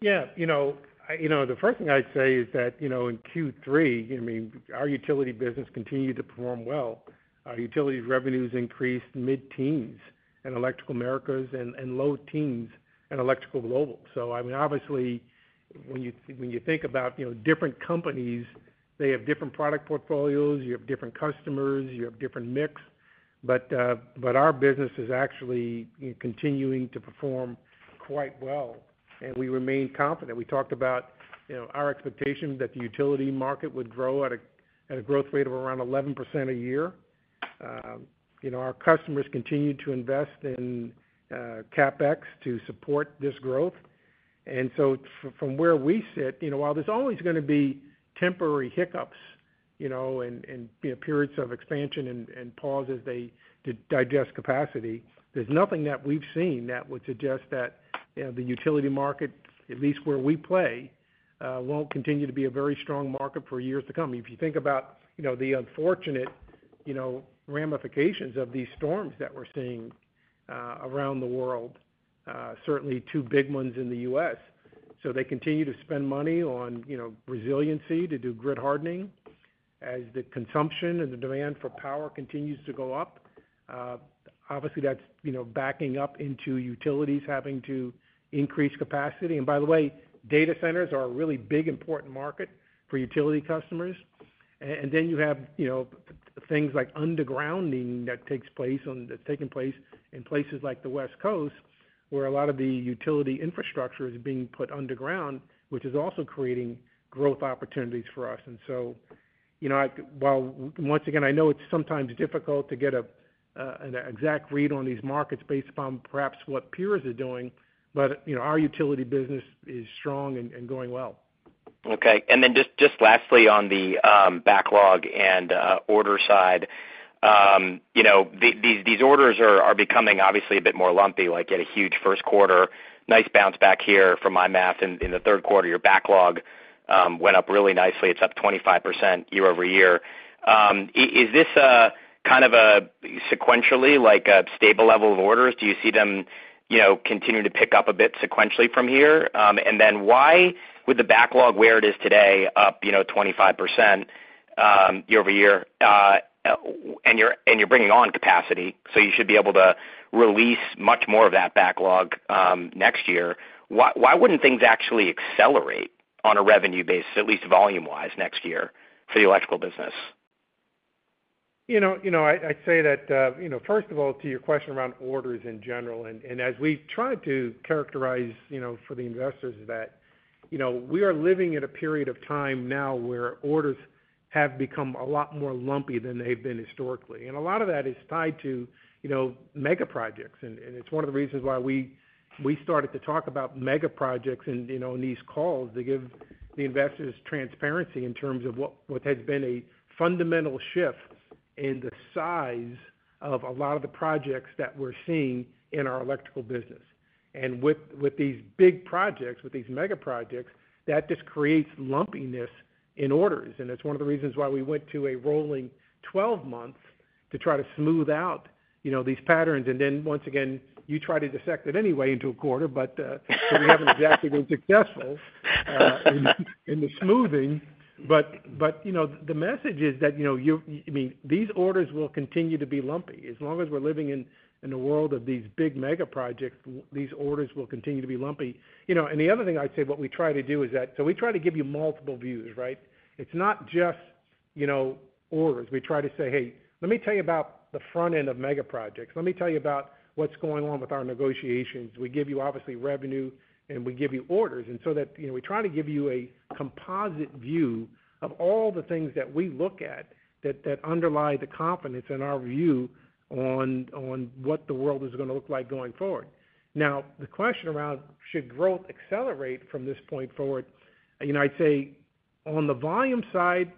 Yeah. The first thing I'd say is that in Q3, I mean, our utility business continued to perform well. Our utility revenues increased mid-teens and Electrical Americas in low teens and Electrical Global. So I mean, obviously, when you think about different companies, they have different product portfolios. You have different customers. You have different mix. But our business is actually continuing to perform quite well. And we remain confident. We talked about our expectation that the utility market would grow at a growth rate of around 11% a year. Our customers continue to invest in CapEx to support this growth. And so from where we sit, while there's always going to be temporary hiccups and periods of expansion and pauses to digest capacity, there's nothing that we've seen that would suggest that the utility market, at least where we play, won't continue to be a very strong market for years to come. If you think about the unfortunate ramifications of these storms that we're seeing around the world, certainly two big ones in the U.S. So they continue to spend money on resiliency to do grid hardening as the consumption and the demand for power continues to go up. Obviously, that's backing up into utilities having to increase capacity. And by the way, data centers are a really big important market for utility customers. And then you have things like undergrounding that takes place in places like the West Coast where a lot of the utility infrastructure is being put underground, which is also creating growth opportunities for us. And so while once again, I know it's sometimes difficult to get an exact read on these markets based upon perhaps what peers are doing, but our utility business is strong and going well. Okay. And then just lastly on the backlog and order side, these orders are becoming obviously a bit more lumpy. Like you had a huge first quarter, nice bounce back here from my math. In the third quarter, your backlog went up really nicely. It's up 25% year over year. Is this kind of a sequentially stable level of orders? Do you see them continue to pick up a bit sequentially from here? And then why would the backlog where it is today up 25% year over year? And you're bringing on capacity, so you should be able to release much more of that backlog next year. Why wouldn't things actually accelerate on a revenue basis, at least volume-wise next year for the electrical business? I'd say that, first of all, to your question around orders in general. And as we've tried to characterize for the investors that we are living in a period of time now where orders have become a lot more lumpy than they've been historically. And a lot of that is tied to mega projects. And it's one of the reasons why we started to talk about mega projects in these calls to give the investors transparency in terms of what has been a fundamental shift in the size of a lot of the projects that we're seeing in our electrical business. And with these big projects, with these mega projects, that just creates lumpiness in orders. And it's one of the reasons why we went to a rolling 12 months to try to smooth out these patterns. And then once again, you try to dissect it anyway into a quarter, but we haven't exactly been successful in the smoothing. But the message is that, I mean, these orders will continue to be lumpy. As long as we're living in a world of these big mega projects, these orders will continue to be lumpy. And the other thing I'd say, what we try to do is that so we try to give you multiple views, right? It's not just orders. We try to say, "Hey, let me tell you about the front end of mega projects. Let me tell you about what's going on with our negotiations." We give you obviously revenue, and we give you orders. And so we try to give you a composite view of all the things that we look at that underlie the confidence in our view on what the world is going to look like going forward. Now, the question around, should growth accelerate from this point forward? I'd say on the volume side,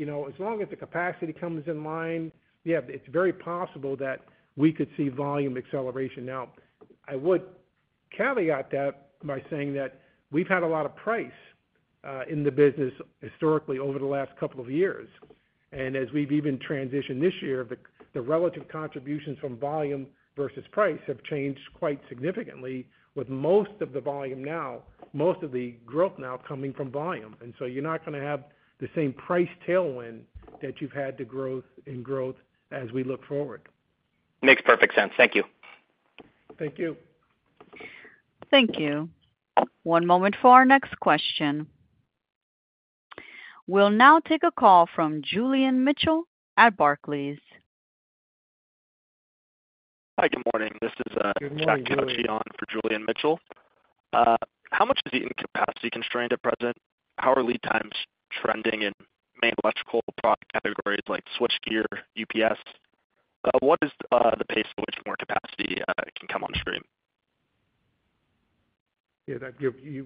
as long as the capacity comes in line, yeah, it's very possible that we could see volume acceleration. Now, I would caveat that by saying that we've had a lot of price in the business historically over the last couple of years. And as we've even transitioned this year, the relative contributions from volume versus price have changed quite significantly, with most of the volume now, most of the growth now coming from volume. And so you're not going to have the same price tailwind that you've had to growth and growth as we look forward. Makes perfect sense. Thank you. Thank you. Thank you. One moment for our next question. We'll now take a call from Julian Mitchell at Barclays. Hi, good morning. This is Chad Dillard for Julian Mitchell. How much is Eaton capacity constrained at present? How are lead times trending in main electrical product categories like switchgear, UPS? What is the pace at which more capacity can come on stream? Yeah.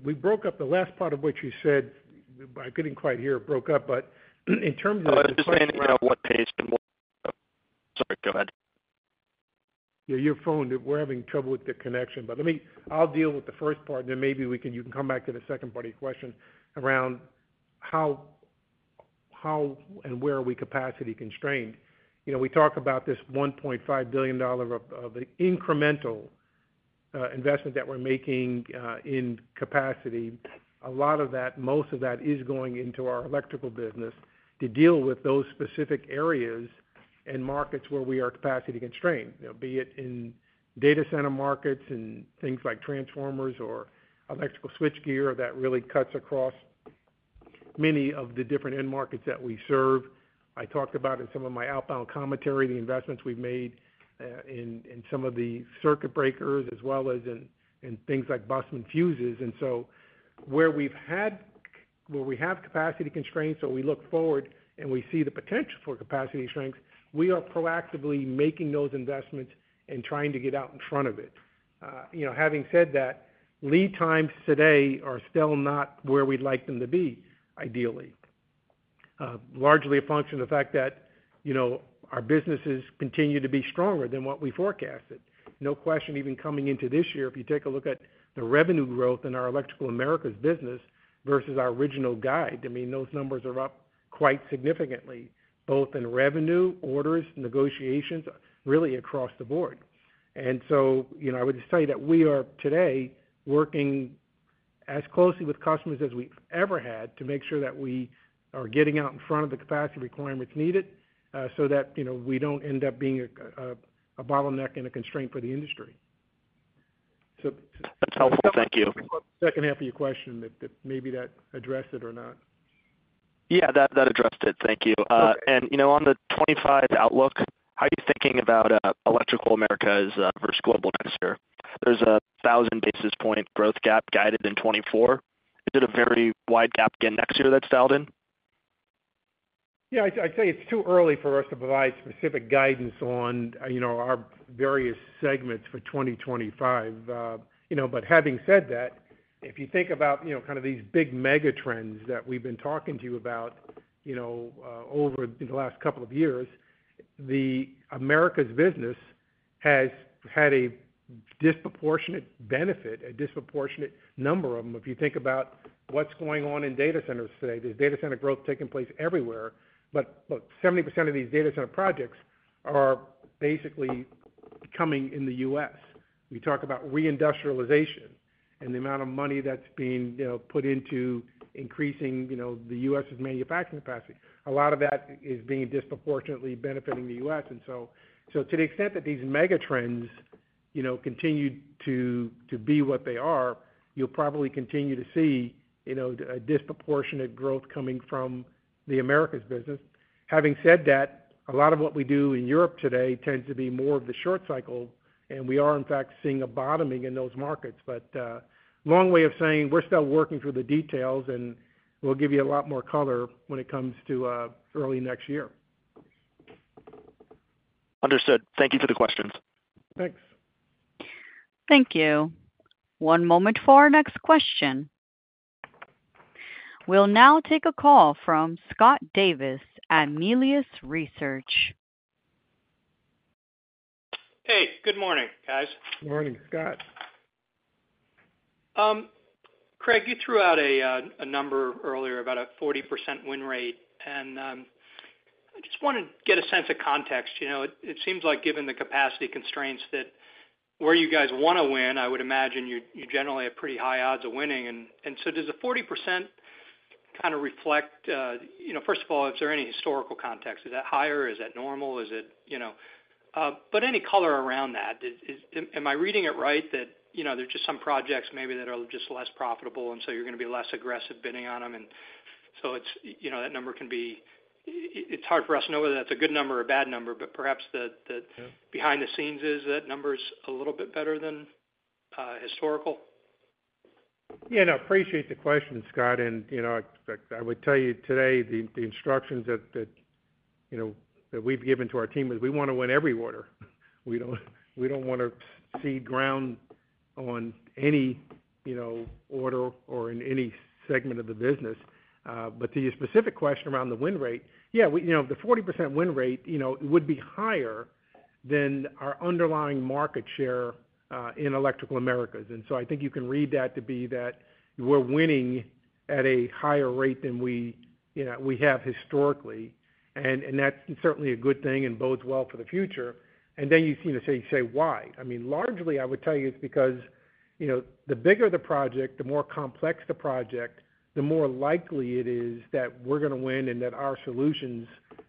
We broke up the last part of what you said. I couldn't quite hear it. Broke up, but in terms of. I was just saying. Sorry, go ahead. Yeah, your phone. We're having trouble with the connection. But I'll deal with the first part, and then maybe you can come back to the second part of your question around how and where are we capacity constrained. We talk about this $1.5 billion of the incremental investment that we're making in capacity. A lot of that, most of that is going into our electrical business to deal with those specific areas and markets where we are capacity constrained, be it in data center markets and things like transformers or electrical switchgear that really cuts across many of the different end markets that we serve. I talked about in some of my outbound commentary the investments we've made in some of the circuit breakers as well as in things like Bussmann fuses. And so where we have capacity constraints, or we look forward and we see the potential for capacity shrinks, we are proactively making those investments and trying to get out in front of it. Having said that, lead times today are still not where we'd like them to be, ideally, largely a function of the fact that our businesses continue to be stronger than what we forecasted. No question, even coming into this year, if you take a look at the revenue growth in our Electrical Americas business versus our original guide, I mean, those numbers are up quite significantly, both in revenue, orders, end markets, really across the board. I would just tell you that we are today working as closely with customers as we've ever had to make sure that we are getting out in front of the capacity requirements needed so that we don't end up being a bottleneck and a constraint for the industry. That's helpful. Thank you. The second half of your question, maybe that addressed it or not. Yeah, that addressed it. Thank you. And on the 2025 outlook, how are you thinking about Electrical Americas versus global next year? There's a 1,000 basis point growth gap guided in 2024. Is it a very wide gap again next year that's dialed in? Yeah. I'd say it's too early for us to provide specific guidance on our various segments for 2025. But having said that, if you think about kind of these big mega trends that we've been talking to you about over the last couple of years, Americas business has had a disproportionate benefit, a disproportionate number of them. If you think about what's going on in data centers today, there's data center growth taking place everywhere. But 70% of these data center projects are basically coming in the US. We talk about reindustrialization and the amount of money that's being put into increasing the US's manufacturing capacity. A lot of that is being disproportionately benefiting the US. And so to the extent that these mega trends continue to be what they are, you'll probably continue to see a disproportionate growth coming from the Americas business. Having said that, a lot of what we do in Europe today tends to be more of the short cycle, and we are, in fact, seeing a bottoming in those markets, but long way of saying, we're still working through the details, and we'll give you a lot more color when it comes to early next year. Understood. Thank you for the questions. Thanks. Thank you. One moment for our next question. We'll now take a call from Scott Davis at Melius Research. Hey, good morning, guys. Good morning, Scott. Craig, you threw out a number earlier, about a 40% win rate. And I just want to get a sense of context. It seems like, given the capacity constraints, that where you guys want to win, I would imagine you generally have pretty high odds of winning. And so does the 40% kind of reflect, first of all, is there any historical context? Is that higher? Is that normal? But any color around that. Am I reading it right that there's just some projects maybe that are just less profitable, and so you're going to be less aggressive bidding on them? And so that number can be, it's hard for us to know whether that's a good number or a bad number, but perhaps behind the scenes is that number's a little bit better than historical? Yeah. And I appreciate the question, Scott. And I would tell you today the instructions that we've given to our team is we want to win every order. We don't want to cede ground on any order or in any segment of the business. But to your specific question around the win rate, yeah, the 40% win rate would be higher than our underlying market share in Electrical Americas. And so I think you can read that to be that we're winning at a higher rate than we have historically. And that's certainly a good thing and bodes well for the future. And then you say, "Why?" I mean, largely, I would tell you it's because the bigger the project, the more complex the project, the more likely it is that we're going to win and that our solutions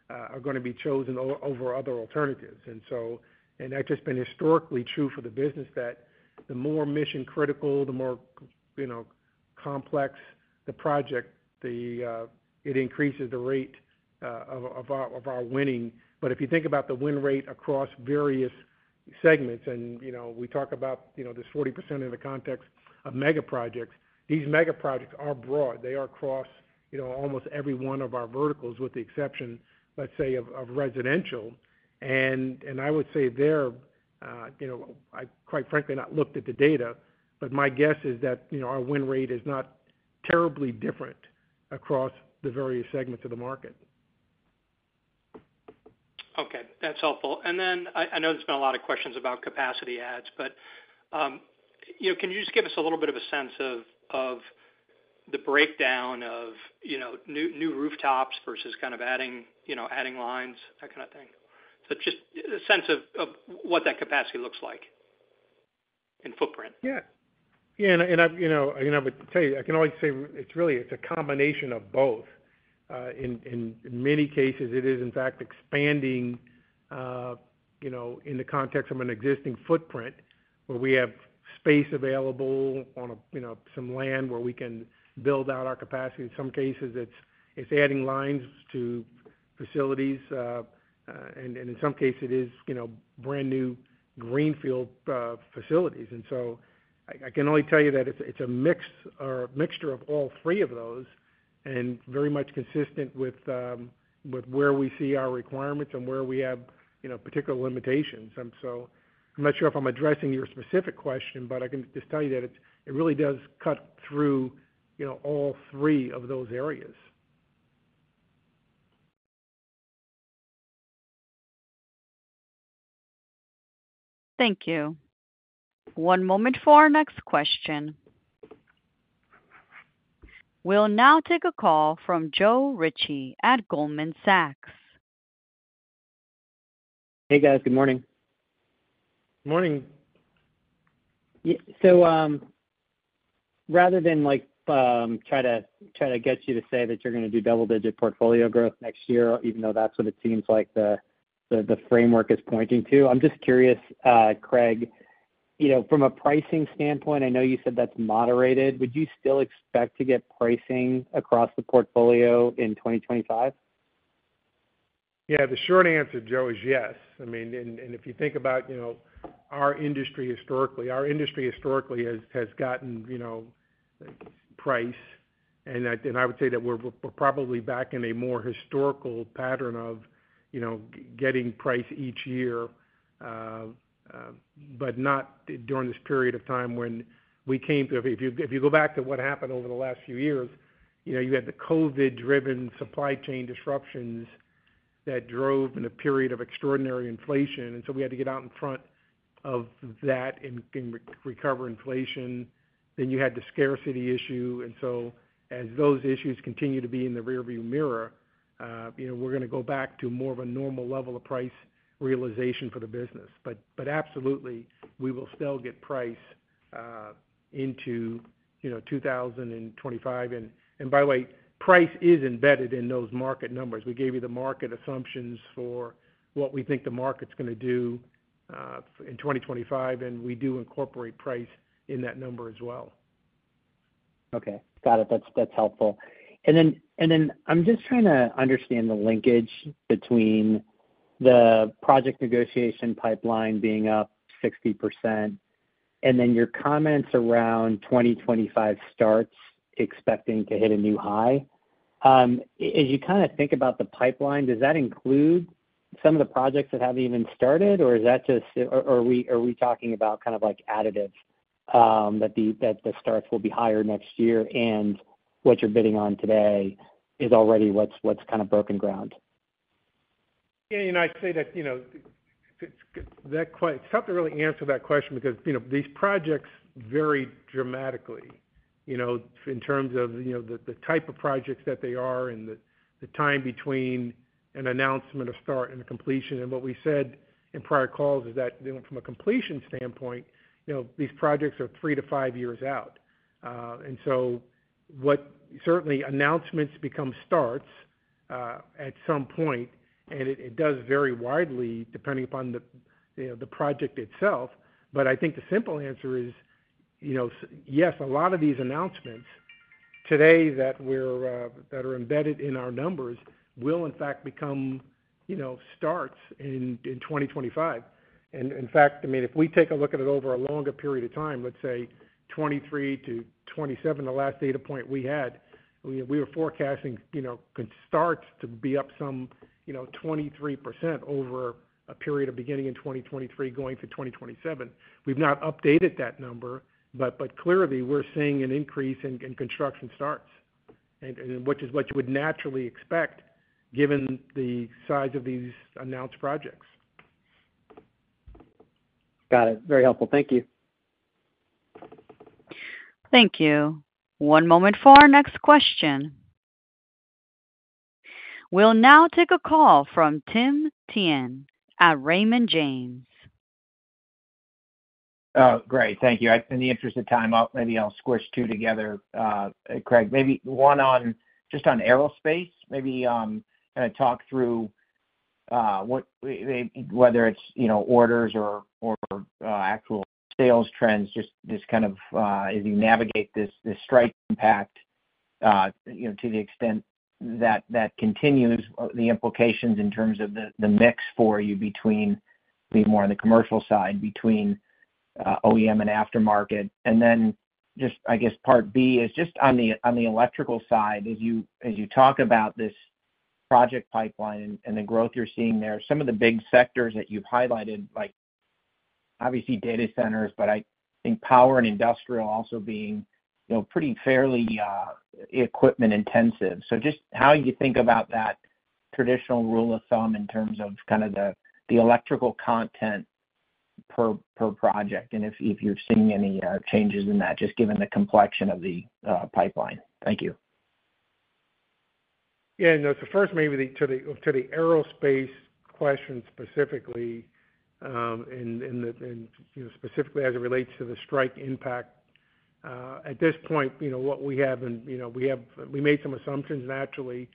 are going to be chosen over other alternatives. And that's just been historically true for the business that the more mission-critical, the more complex the project, it increases the rate of our winning. But if you think about the win rate across various segments, and we talk about this 40% in the context of mega projects, these mega projects are broad. They are across almost every one of our verticals with the exception, let's say, of residential. And I would say there, I quite frankly not looked at the data, but my guess is that our win rate is not terribly different across the various segments of the market. Okay. That's helpful. And then I know there's been a lot of questions about capacity adds, but can you just give us a little bit of a sense of the breakdown of new rooftops versus kind of adding lines, that kind of thing? So just a sense of what that capacity looks like in footprint? Yeah. Yeah. And I would tell you, I can only say it's really a combination of both. In many cases, it is, in fact, expanding in the context of an existing footprint where we have space available on some land where we can build out our capacity. In some cases, it's adding lines to facilities. And in some cases, it is brand new greenfield facilities. And so I can only tell you that it's a mixture of all three of those and very much consistent with where we see our requirements and where we have particular limitations. And so I'm not sure if I'm addressing your specific question, but I can just tell you that it really does cut through all three of those areas. Thank you. One moment for our next question. We'll now take a call from Joe Ritchie at Goldman Sachs. Hey, guys. Good morning. Good morning. So rather than try to get you to say that you're going to do double-digit portfolio growth next year, even though that's what it seems like the framework is pointing to, I'm just curious, Craig, from a pricing standpoint, I know you said that's moderated. Would you still expect to get pricing across the portfolio in 2025? Yeah. The short answer, Joe, is yes. I mean, and if you think about our industry historically, our industry historically has gotten price. And I would say that we're probably back in a more historical pattern of getting price each year, but not during this period of time when we came to if you go back to what happened over the last few years, you had the COVID-driven supply chain disruptions that drove in a period of extraordinary inflation. And so we had to get out in front of that and recover inflation. Then you had the scarcity issue. And so as those issues continue to be in the rearview mirror, we're going to go back to more of a normal level of price realization for the business. But absolutely, we will still get price into 2025. And by the way, price is embedded in those market numbers. We gave you the market assumptions for what we think the market's going to do in 2025, and we do incorporate price in that number as well. Okay. Got it. That's helpful. And then I'm just trying to understand the linkage between the project negotiation pipeline being up 60% and then your comments around 2025 starts expecting to hit a new high. As you kind of think about the pipeline, does that include some of the projects that haven't even started, or is that just are we talking about kind of additives that the starts will be higher next year and what you're bidding on today is already what's kind of broken ground? Yeah. I'd say that it's tough to really answer that question because these projects vary dramatically in terms of the type of projects that they are and the time between an announcement of start and completion. And what we said in prior calls is that from a completion standpoint, these projects are three to five years out. And so certainly, announcements become starts at some point, and it does vary widely depending upon the project itself. But I think the simple answer is, yes, a lot of these announcements today that are embedded in our numbers will, in fact, become starts in 2025. In fact, I mean, if we take a look at it over a longer period of time, let's say 2023 to 2027, the last data point we had, we were forecasting starts to be up some 23% over a period of beginning in 2023 going to 2027. We've not updated that number, but clearly, we're seeing an increase in construction starts, which is what you would naturally expect given the size of these announced projects. Got it. Very helpful. Thank you. Thank you. One moment for our next question. We'll now take a call from Tim Thein at Raymond James. Oh, great. Thank you. In the interest of time, maybe I'll squish two together. Craig, maybe one just on aerospace, maybe kind of talk through whether it's orders or actual sales trends, just kind of as you navigate this strike impact to the extent that continues, the implications in terms of the mix for you between being more on the commercial side between OEM and aftermarket. And then just, I guess, part B is just on the electrical side, as you talk about this project pipeline and the growth you're seeing there, some of the big sectors that you've highlighted, like obviously data centers, but I think power and industrial also being pretty fairly equipment-intensive. So just how you think about that traditional rule of thumb in terms of kind of the electrical content per project and if you're seeing any changes in that, just given the complexion of the pipeline? Thank you. Yeah. So first, maybe to the aerospace question specifically and specifically as it relates to the strike impact. At this point, what we have and we made some assumptions naturally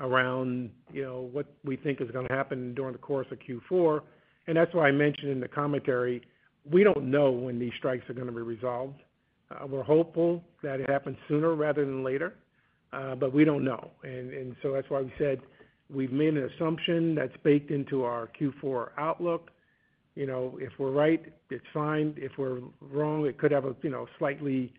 around what we think is going to happen during the course of Q4. And that's why I mentioned in the commentary, we don't know when these strikes are going to be resolved. We're hopeful that it happens sooner rather than later, but we don't know. And so that's why we said we've made an assumption that's baked into our Q4 outlook. If we're right, it's fine. If we're wrong, it could have a slightly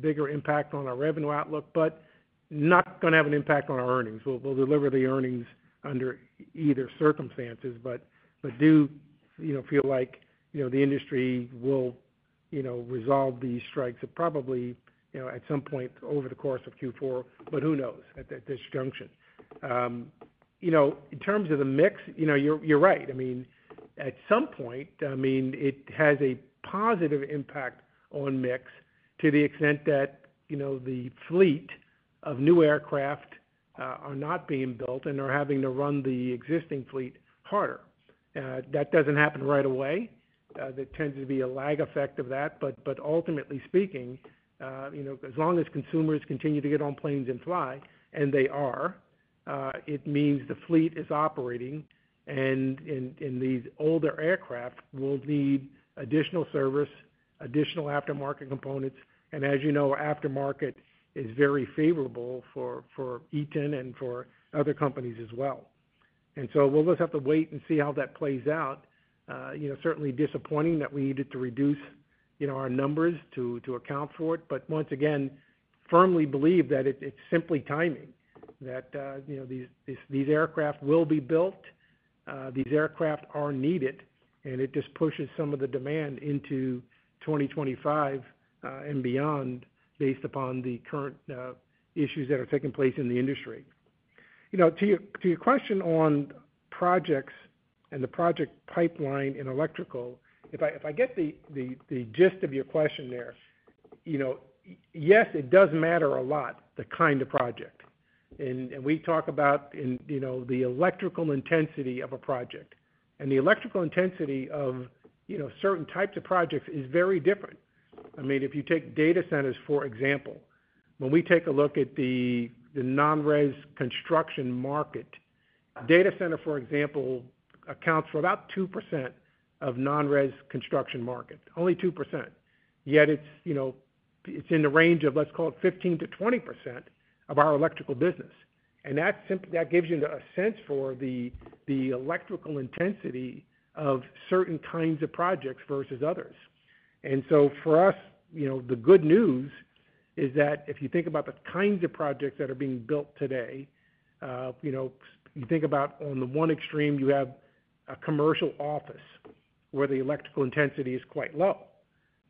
bigger impact on our revenue outlook, but not going to have an impact on our earnings. We'll deliver the earnings under either circumstances, but do feel like the industry will resolve these strikes probably at some point over the course of Q4, but who knows at this juncture. In terms of the mix, you're right. I mean, at some point, I mean, it has a positive impact on mix to the extent that the fleet of new aircraft are not being built and are having to run the existing fleet harder. That doesn't happen right away. There tends to be a lag effect of that. But ultimately speaking, as long as consumers continue to get on planes and fly, and they are, it means the fleet is operating. And these older aircraft will need additional service, additional aftermarket components. And as you know, aftermarket is very favorable for Eaton and for other companies as well. And so we'll just have to wait and see how that plays out. Certainly disappointing that we needed to reduce our numbers to account for it. But once again, firmly believe that it's simply timing, that these aircraft will be built, these aircraft are needed, and it just pushes some of the demand into 2025 and beyond based upon the current issues that are taking place in the industry. To your question on projects and the project pipeline in electrical, if I get the gist of your question there, yes, it does matter a lot, the kind of project. And we talk about the electrical intensity of a project. And the electrical intensity of certain types of projects is very different. I mean, if you take data centers, for example, when we take a look at the non-res construction market, data center, for example, accounts for about 2% of non-res construction market, only 2%. Yet it's in the range of, let's call it, 15%-20% of our electrical business. And that gives you a sense for the electrical intensity of certain kinds of projects versus others. And so for us, the good news is that if you think about the kinds of projects that are being built today, you think about on the one extreme, you have a commercial office where the electrical intensity is quite low.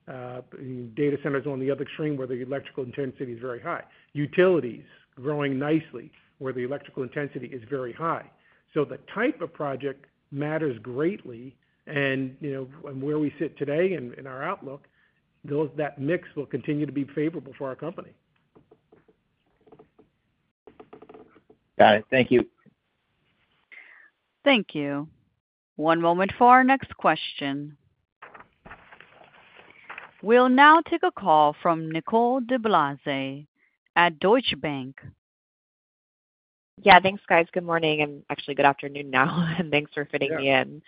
Data centers are on the other extreme where the electrical intensity is very high. Utilities growing nicely where the electrical intensity is very high. So the type of project matters greatly. Where we sit today in our outlook, that mix will continue to be favorable for our company. Got it. Thank you. Thank you. One moment for our next question. We'll now take a call from Nicole DeBlase at Deutsche Bank. Yeah. Thanks, guys. Good morning, and actually, good afternoon now, and thanks for fitting me in.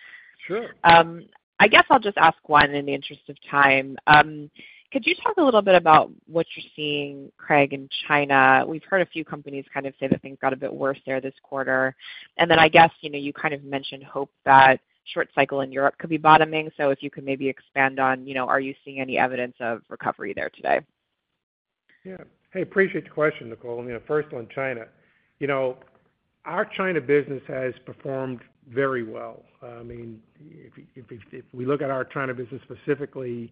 Sure. I guess I'll just ask one in the interest of time. Could you talk a little bit about what you're seeing, Craig, in China? We've heard a few companies kind of say that things got a bit worse there this quarter. And then I guess you kind of mentioned hope that short cycle in Europe could be bottoming. So if you could maybe expand on, are you seeing any evidence of recovery there today? Yeah. Hey, appreciate the question, Nicole. First, on China, our China business has performed very well. I mean, if we look at our China business specifically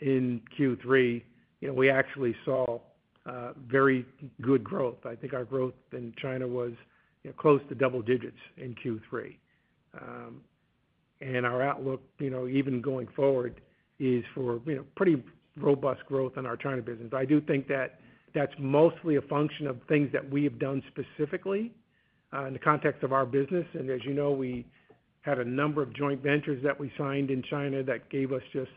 in Q3, we actually saw very good growth. I think our growth in China was close to double digits in Q3, and our outlook, even going forward, is for pretty robust growth in our China business. I do think that that's mostly a function of things that we have done specifically in the context of our business, and as you know, we had a number of joint ventures that we signed in China that gave us just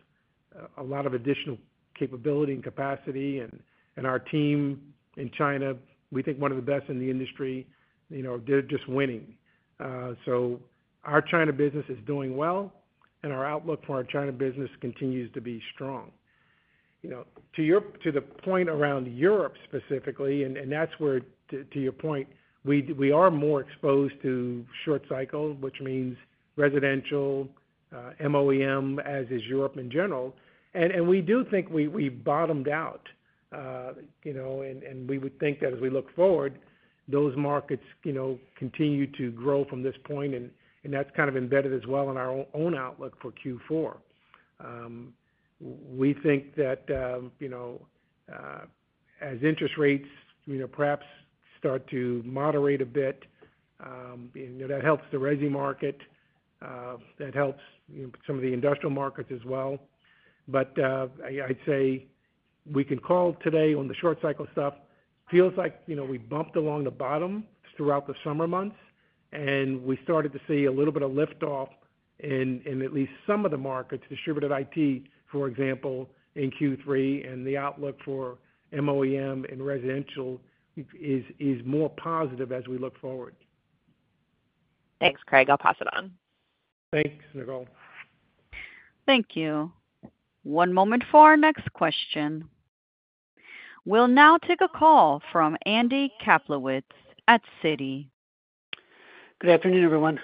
a lot of additional capability and capacity. And our team in China, we think one of the best in the industry, they're just winning. So our China business is doing well, and our outlook for our China business continues to be strong. To the point around Europe specifically, and that's where, to your point, we are more exposed to short cycle, which means residential, MOEM, as is Europe in general. And we do think we bottomed out. And we would think that as we look forward, those markets continue to grow from this point. And that's kind of embedded as well in our own outlook for Q4. We think that as interest rates perhaps start to moderate a bit, that helps the resi market, that helps some of the industrial markets as well. But I'd say we can call today on the short cycle stuff. It feels like we bumped along the bottom throughout the summer months, and we started to see a little bit of lift-off in at least some of the markets, distributed IT, for example, in Q3. The outlook for MOEM and residential is more positive as we look forward. Thanks, Craig. I'll pass it on. Thanks, Nicole. Thank you. One moment for our next question. We'll now take a call from Andy Kaplowitz at Citi. Good afternoon, everyone.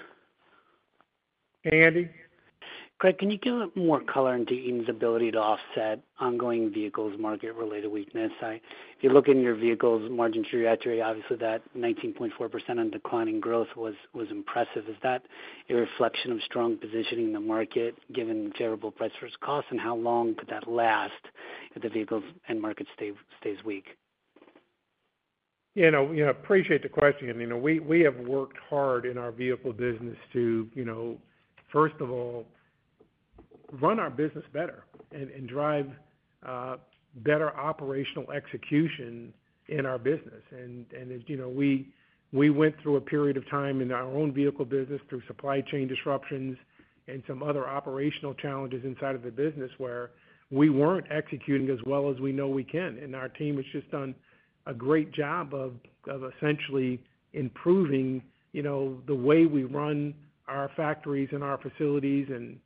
Hey, Andy. Craig, can you give a bit more color into Eaton's ability to offset ongoing vehicles market-related weakness? If you look in your vehicles margin trajectory, obviously that 19.4% on declining growth was impressive. Is that a reflection of strong positioning in the market given favorable price versus cost, and how long could that last if the vehicles and market stays weak? Yeah. I appreciate the question. We have worked hard in our vehicle business to, first of all, run our business better and drive better operational execution in our business. And we went through a period of time in our own vehicle business through supply chain disruptions and some other operational challenges inside of the business where we weren't executing as well as we know we can. And our team has just done a great job of essentially improving the way we run our factories and our facilities and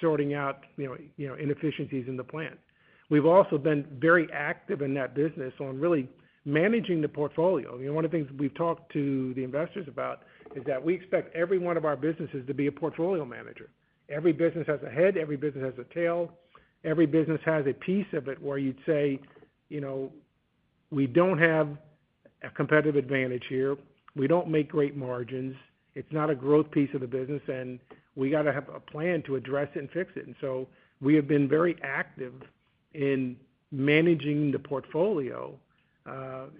sorting out inefficiencies in the plant. We've also been very active in that business on really managing the portfolio. One of the things we've talked to the investors about is that we expect every one of our businesses to be a portfolio manager. Every business has a head, every business has a tail, every business has a piece of it where you'd say, "We don't have a competitive advantage here. We don't make great margins. It's not a growth piece of the business, and we got to have a plan to address it and fix it." And so we have been very active in managing the portfolio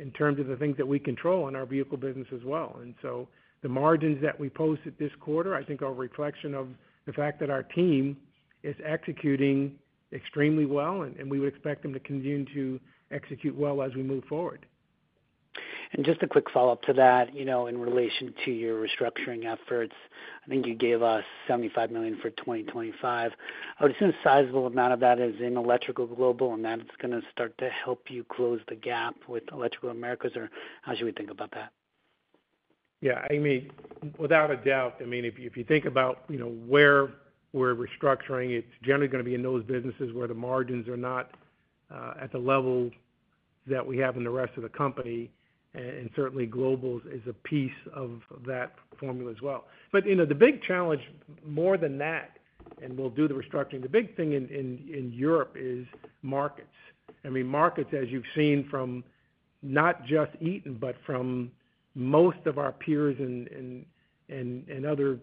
in terms of the things that we control in our vehicle business as well. And so the margins that we posted this quarter, I think, are a reflection of the fact that our team is executing extremely well, and we would expect them to continue to execute well as we move forward. Just a quick follow-up to that in relation to your restructuring efforts. I think you gave us $75 million for 2025. I would assume a sizable amount of that is in Electrical Global, and that's going to start to help you close the gap with Electrical Americas. Or how should we think about that? Yeah. I mean, without a doubt, I mean, if you think about where we're restructuring, it's generally going to be in those businesses where the margins are not at the level that we have in the rest of the company. And certainly, global is a piece of that formula as well. But the big challenge, more than that, and we'll do the restructuring. The big thing in Europe is markets. I mean, markets, as you've seen from not just Eaton, but from most of our peers and other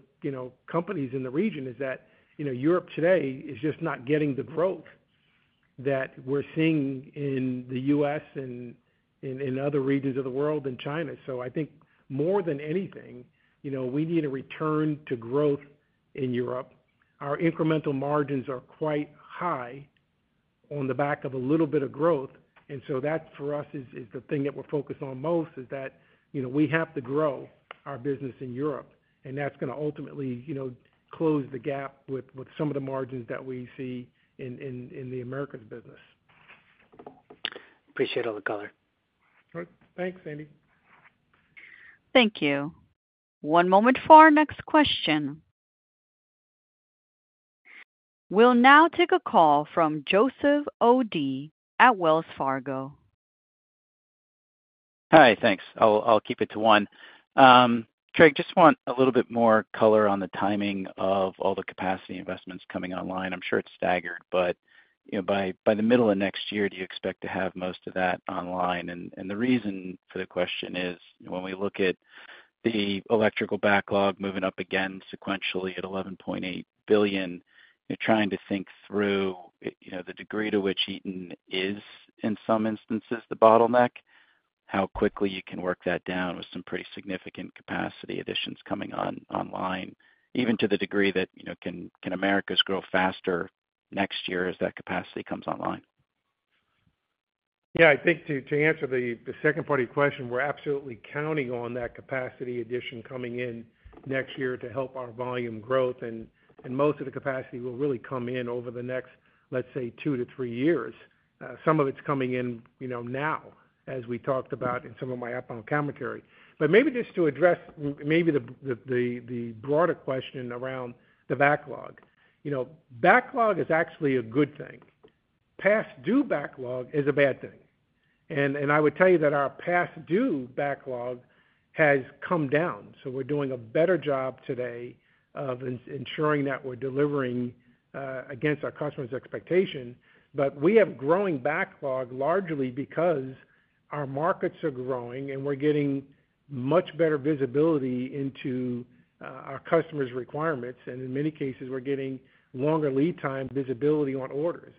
companies in the region, is that Europe today is just not getting the growth that we're seeing in the US and in other regions of the world and China. So I think more than anything, we need a return to growth in Europe. Our incremental margins are quite high on the back of a little bit of growth. And so that, for us, is the thing that we're focused on most, is that we have to grow our business in Europe. And that's going to ultimately close the gap with some of the margins that we see in the Americas business. Appreciate all the color. All right. Thanks, Andy. Thank you. One moment for our next question. We'll now take a call from Joe O'Dea at Wells Fargo. Hi. Thanks. I'll keep it to one. Craig, just want a little bit more color on the timing of all the capacity investments coming online. I'm sure it's staggered, but by the middle of next year, do you expect to have most of that online? And the reason for the question is when we look at the electrical backlog moving up again sequentially at $11.8 billion, you're trying to think through the degree to which Eaton is, in some instances, the bottleneck, how quickly you can work that down with some pretty significant capacity additions coming online, even to the degree that can Americas grow faster next year as that capacity comes online? Yeah. I think to answer the second part of your question, we're absolutely counting on that capacity addition coming in next year to help our volume growth. And most of the capacity will really come in over the next, let's say, two to three years. Some of it's coming in now, as we talked about in some of my outbound commentary. But maybe just to address maybe the broader question around the backlog. Backlog is actually a good thing. Past due backlog is a bad thing. And I would tell you that our past due backlog has come down. So we're doing a better job today of ensuring that we're delivering against our customers' expectation. But we have growing backlog largely because our markets are growing and we're getting much better visibility into our customers' requirements. And in many cases, we're getting longer lead time visibility on orders.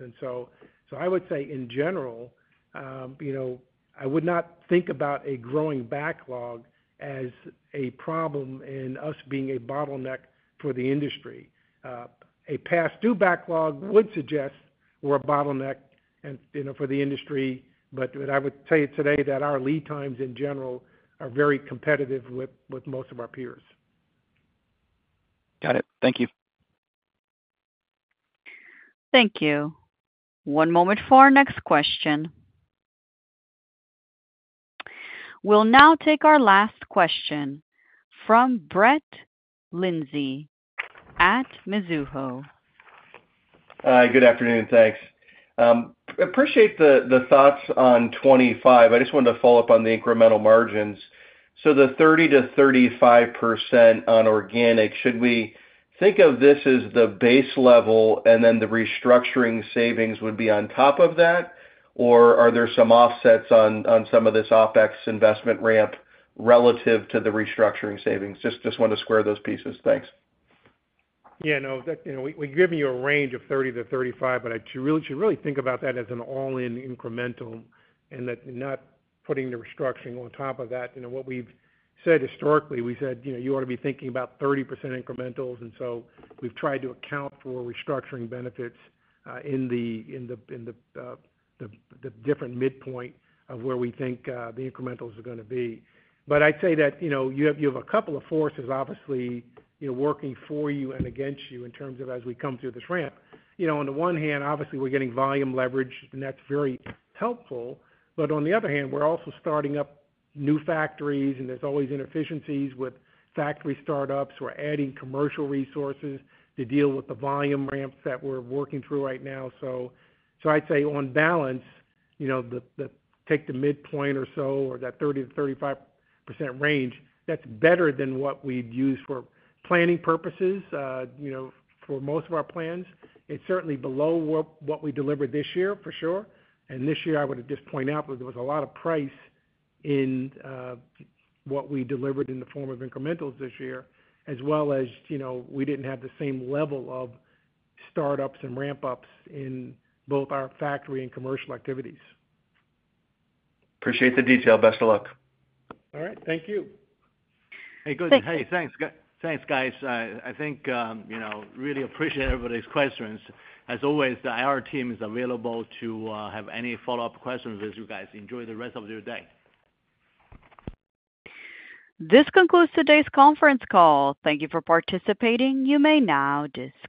I would say, in general, I would not think about a growing backlog as a problem in our being a bottleneck for the industry. A past due backlog would suggest we're a bottleneck for the industry. I would tell you today that our lead times in general are very competitive with most of our peers. Got it. Thank you. Thank you. One moment for our next question. We'll now take our last question from Brett Linzey at Mizuho. Good afternoon. Thanks. Appreciate the thoughts on 25. I just wanted to follow up on the incremental margins. So the 30%-35% on organic, should we think of this as the base level and then the restructuring savings would be on top of that? Or are there some offsets on some of this OpEx investment ramp relative to the restructuring savings? Just wanted to square those pieces. Thanks. Yeah. No, we've given you a range of 30%-35%, but I should really think about that as an all-in incremental and not putting the restructuring on top of that. What we've said historically, we said you ought to be thinking about 30% incrementals. And so we've tried to account for restructuring benefits in the different midpoint of where we think the incrementals are going to be. But I'd say that you have a couple of forces, obviously, working for you and against you in terms of as we come through this ramp. On the one hand, obviously, we're getting volume leverage, and that's very helpful. But on the other hand, we're also starting up new factories, and there's always inefficiencies with factory startups. We're adding commercial resources to deal with the volume ramps that we're working through right now. So I'd say on balance, take the midpoint or so or that 30%-35% range. That's better than what we'd use for planning purposes for most of our plans. It's certainly below what we delivered this year, for sure. And this year, I would just point out that there was a lot of price in what we delivered in the form of incrementals this year, as well as we didn't have the same level of startups and ramp-ups in both our factory and commercial activities. Appreciate the detail. Best of luck. All right. Thank you. Hey, good. Thanks. Hey, thanks. Thanks, guys. I think really appreciate everybody's questions. As always, our team is available to have any follow-up questions as you guys enjoy the rest of your day. This concludes today's conference call. Thank you for participating. You may now disconnect.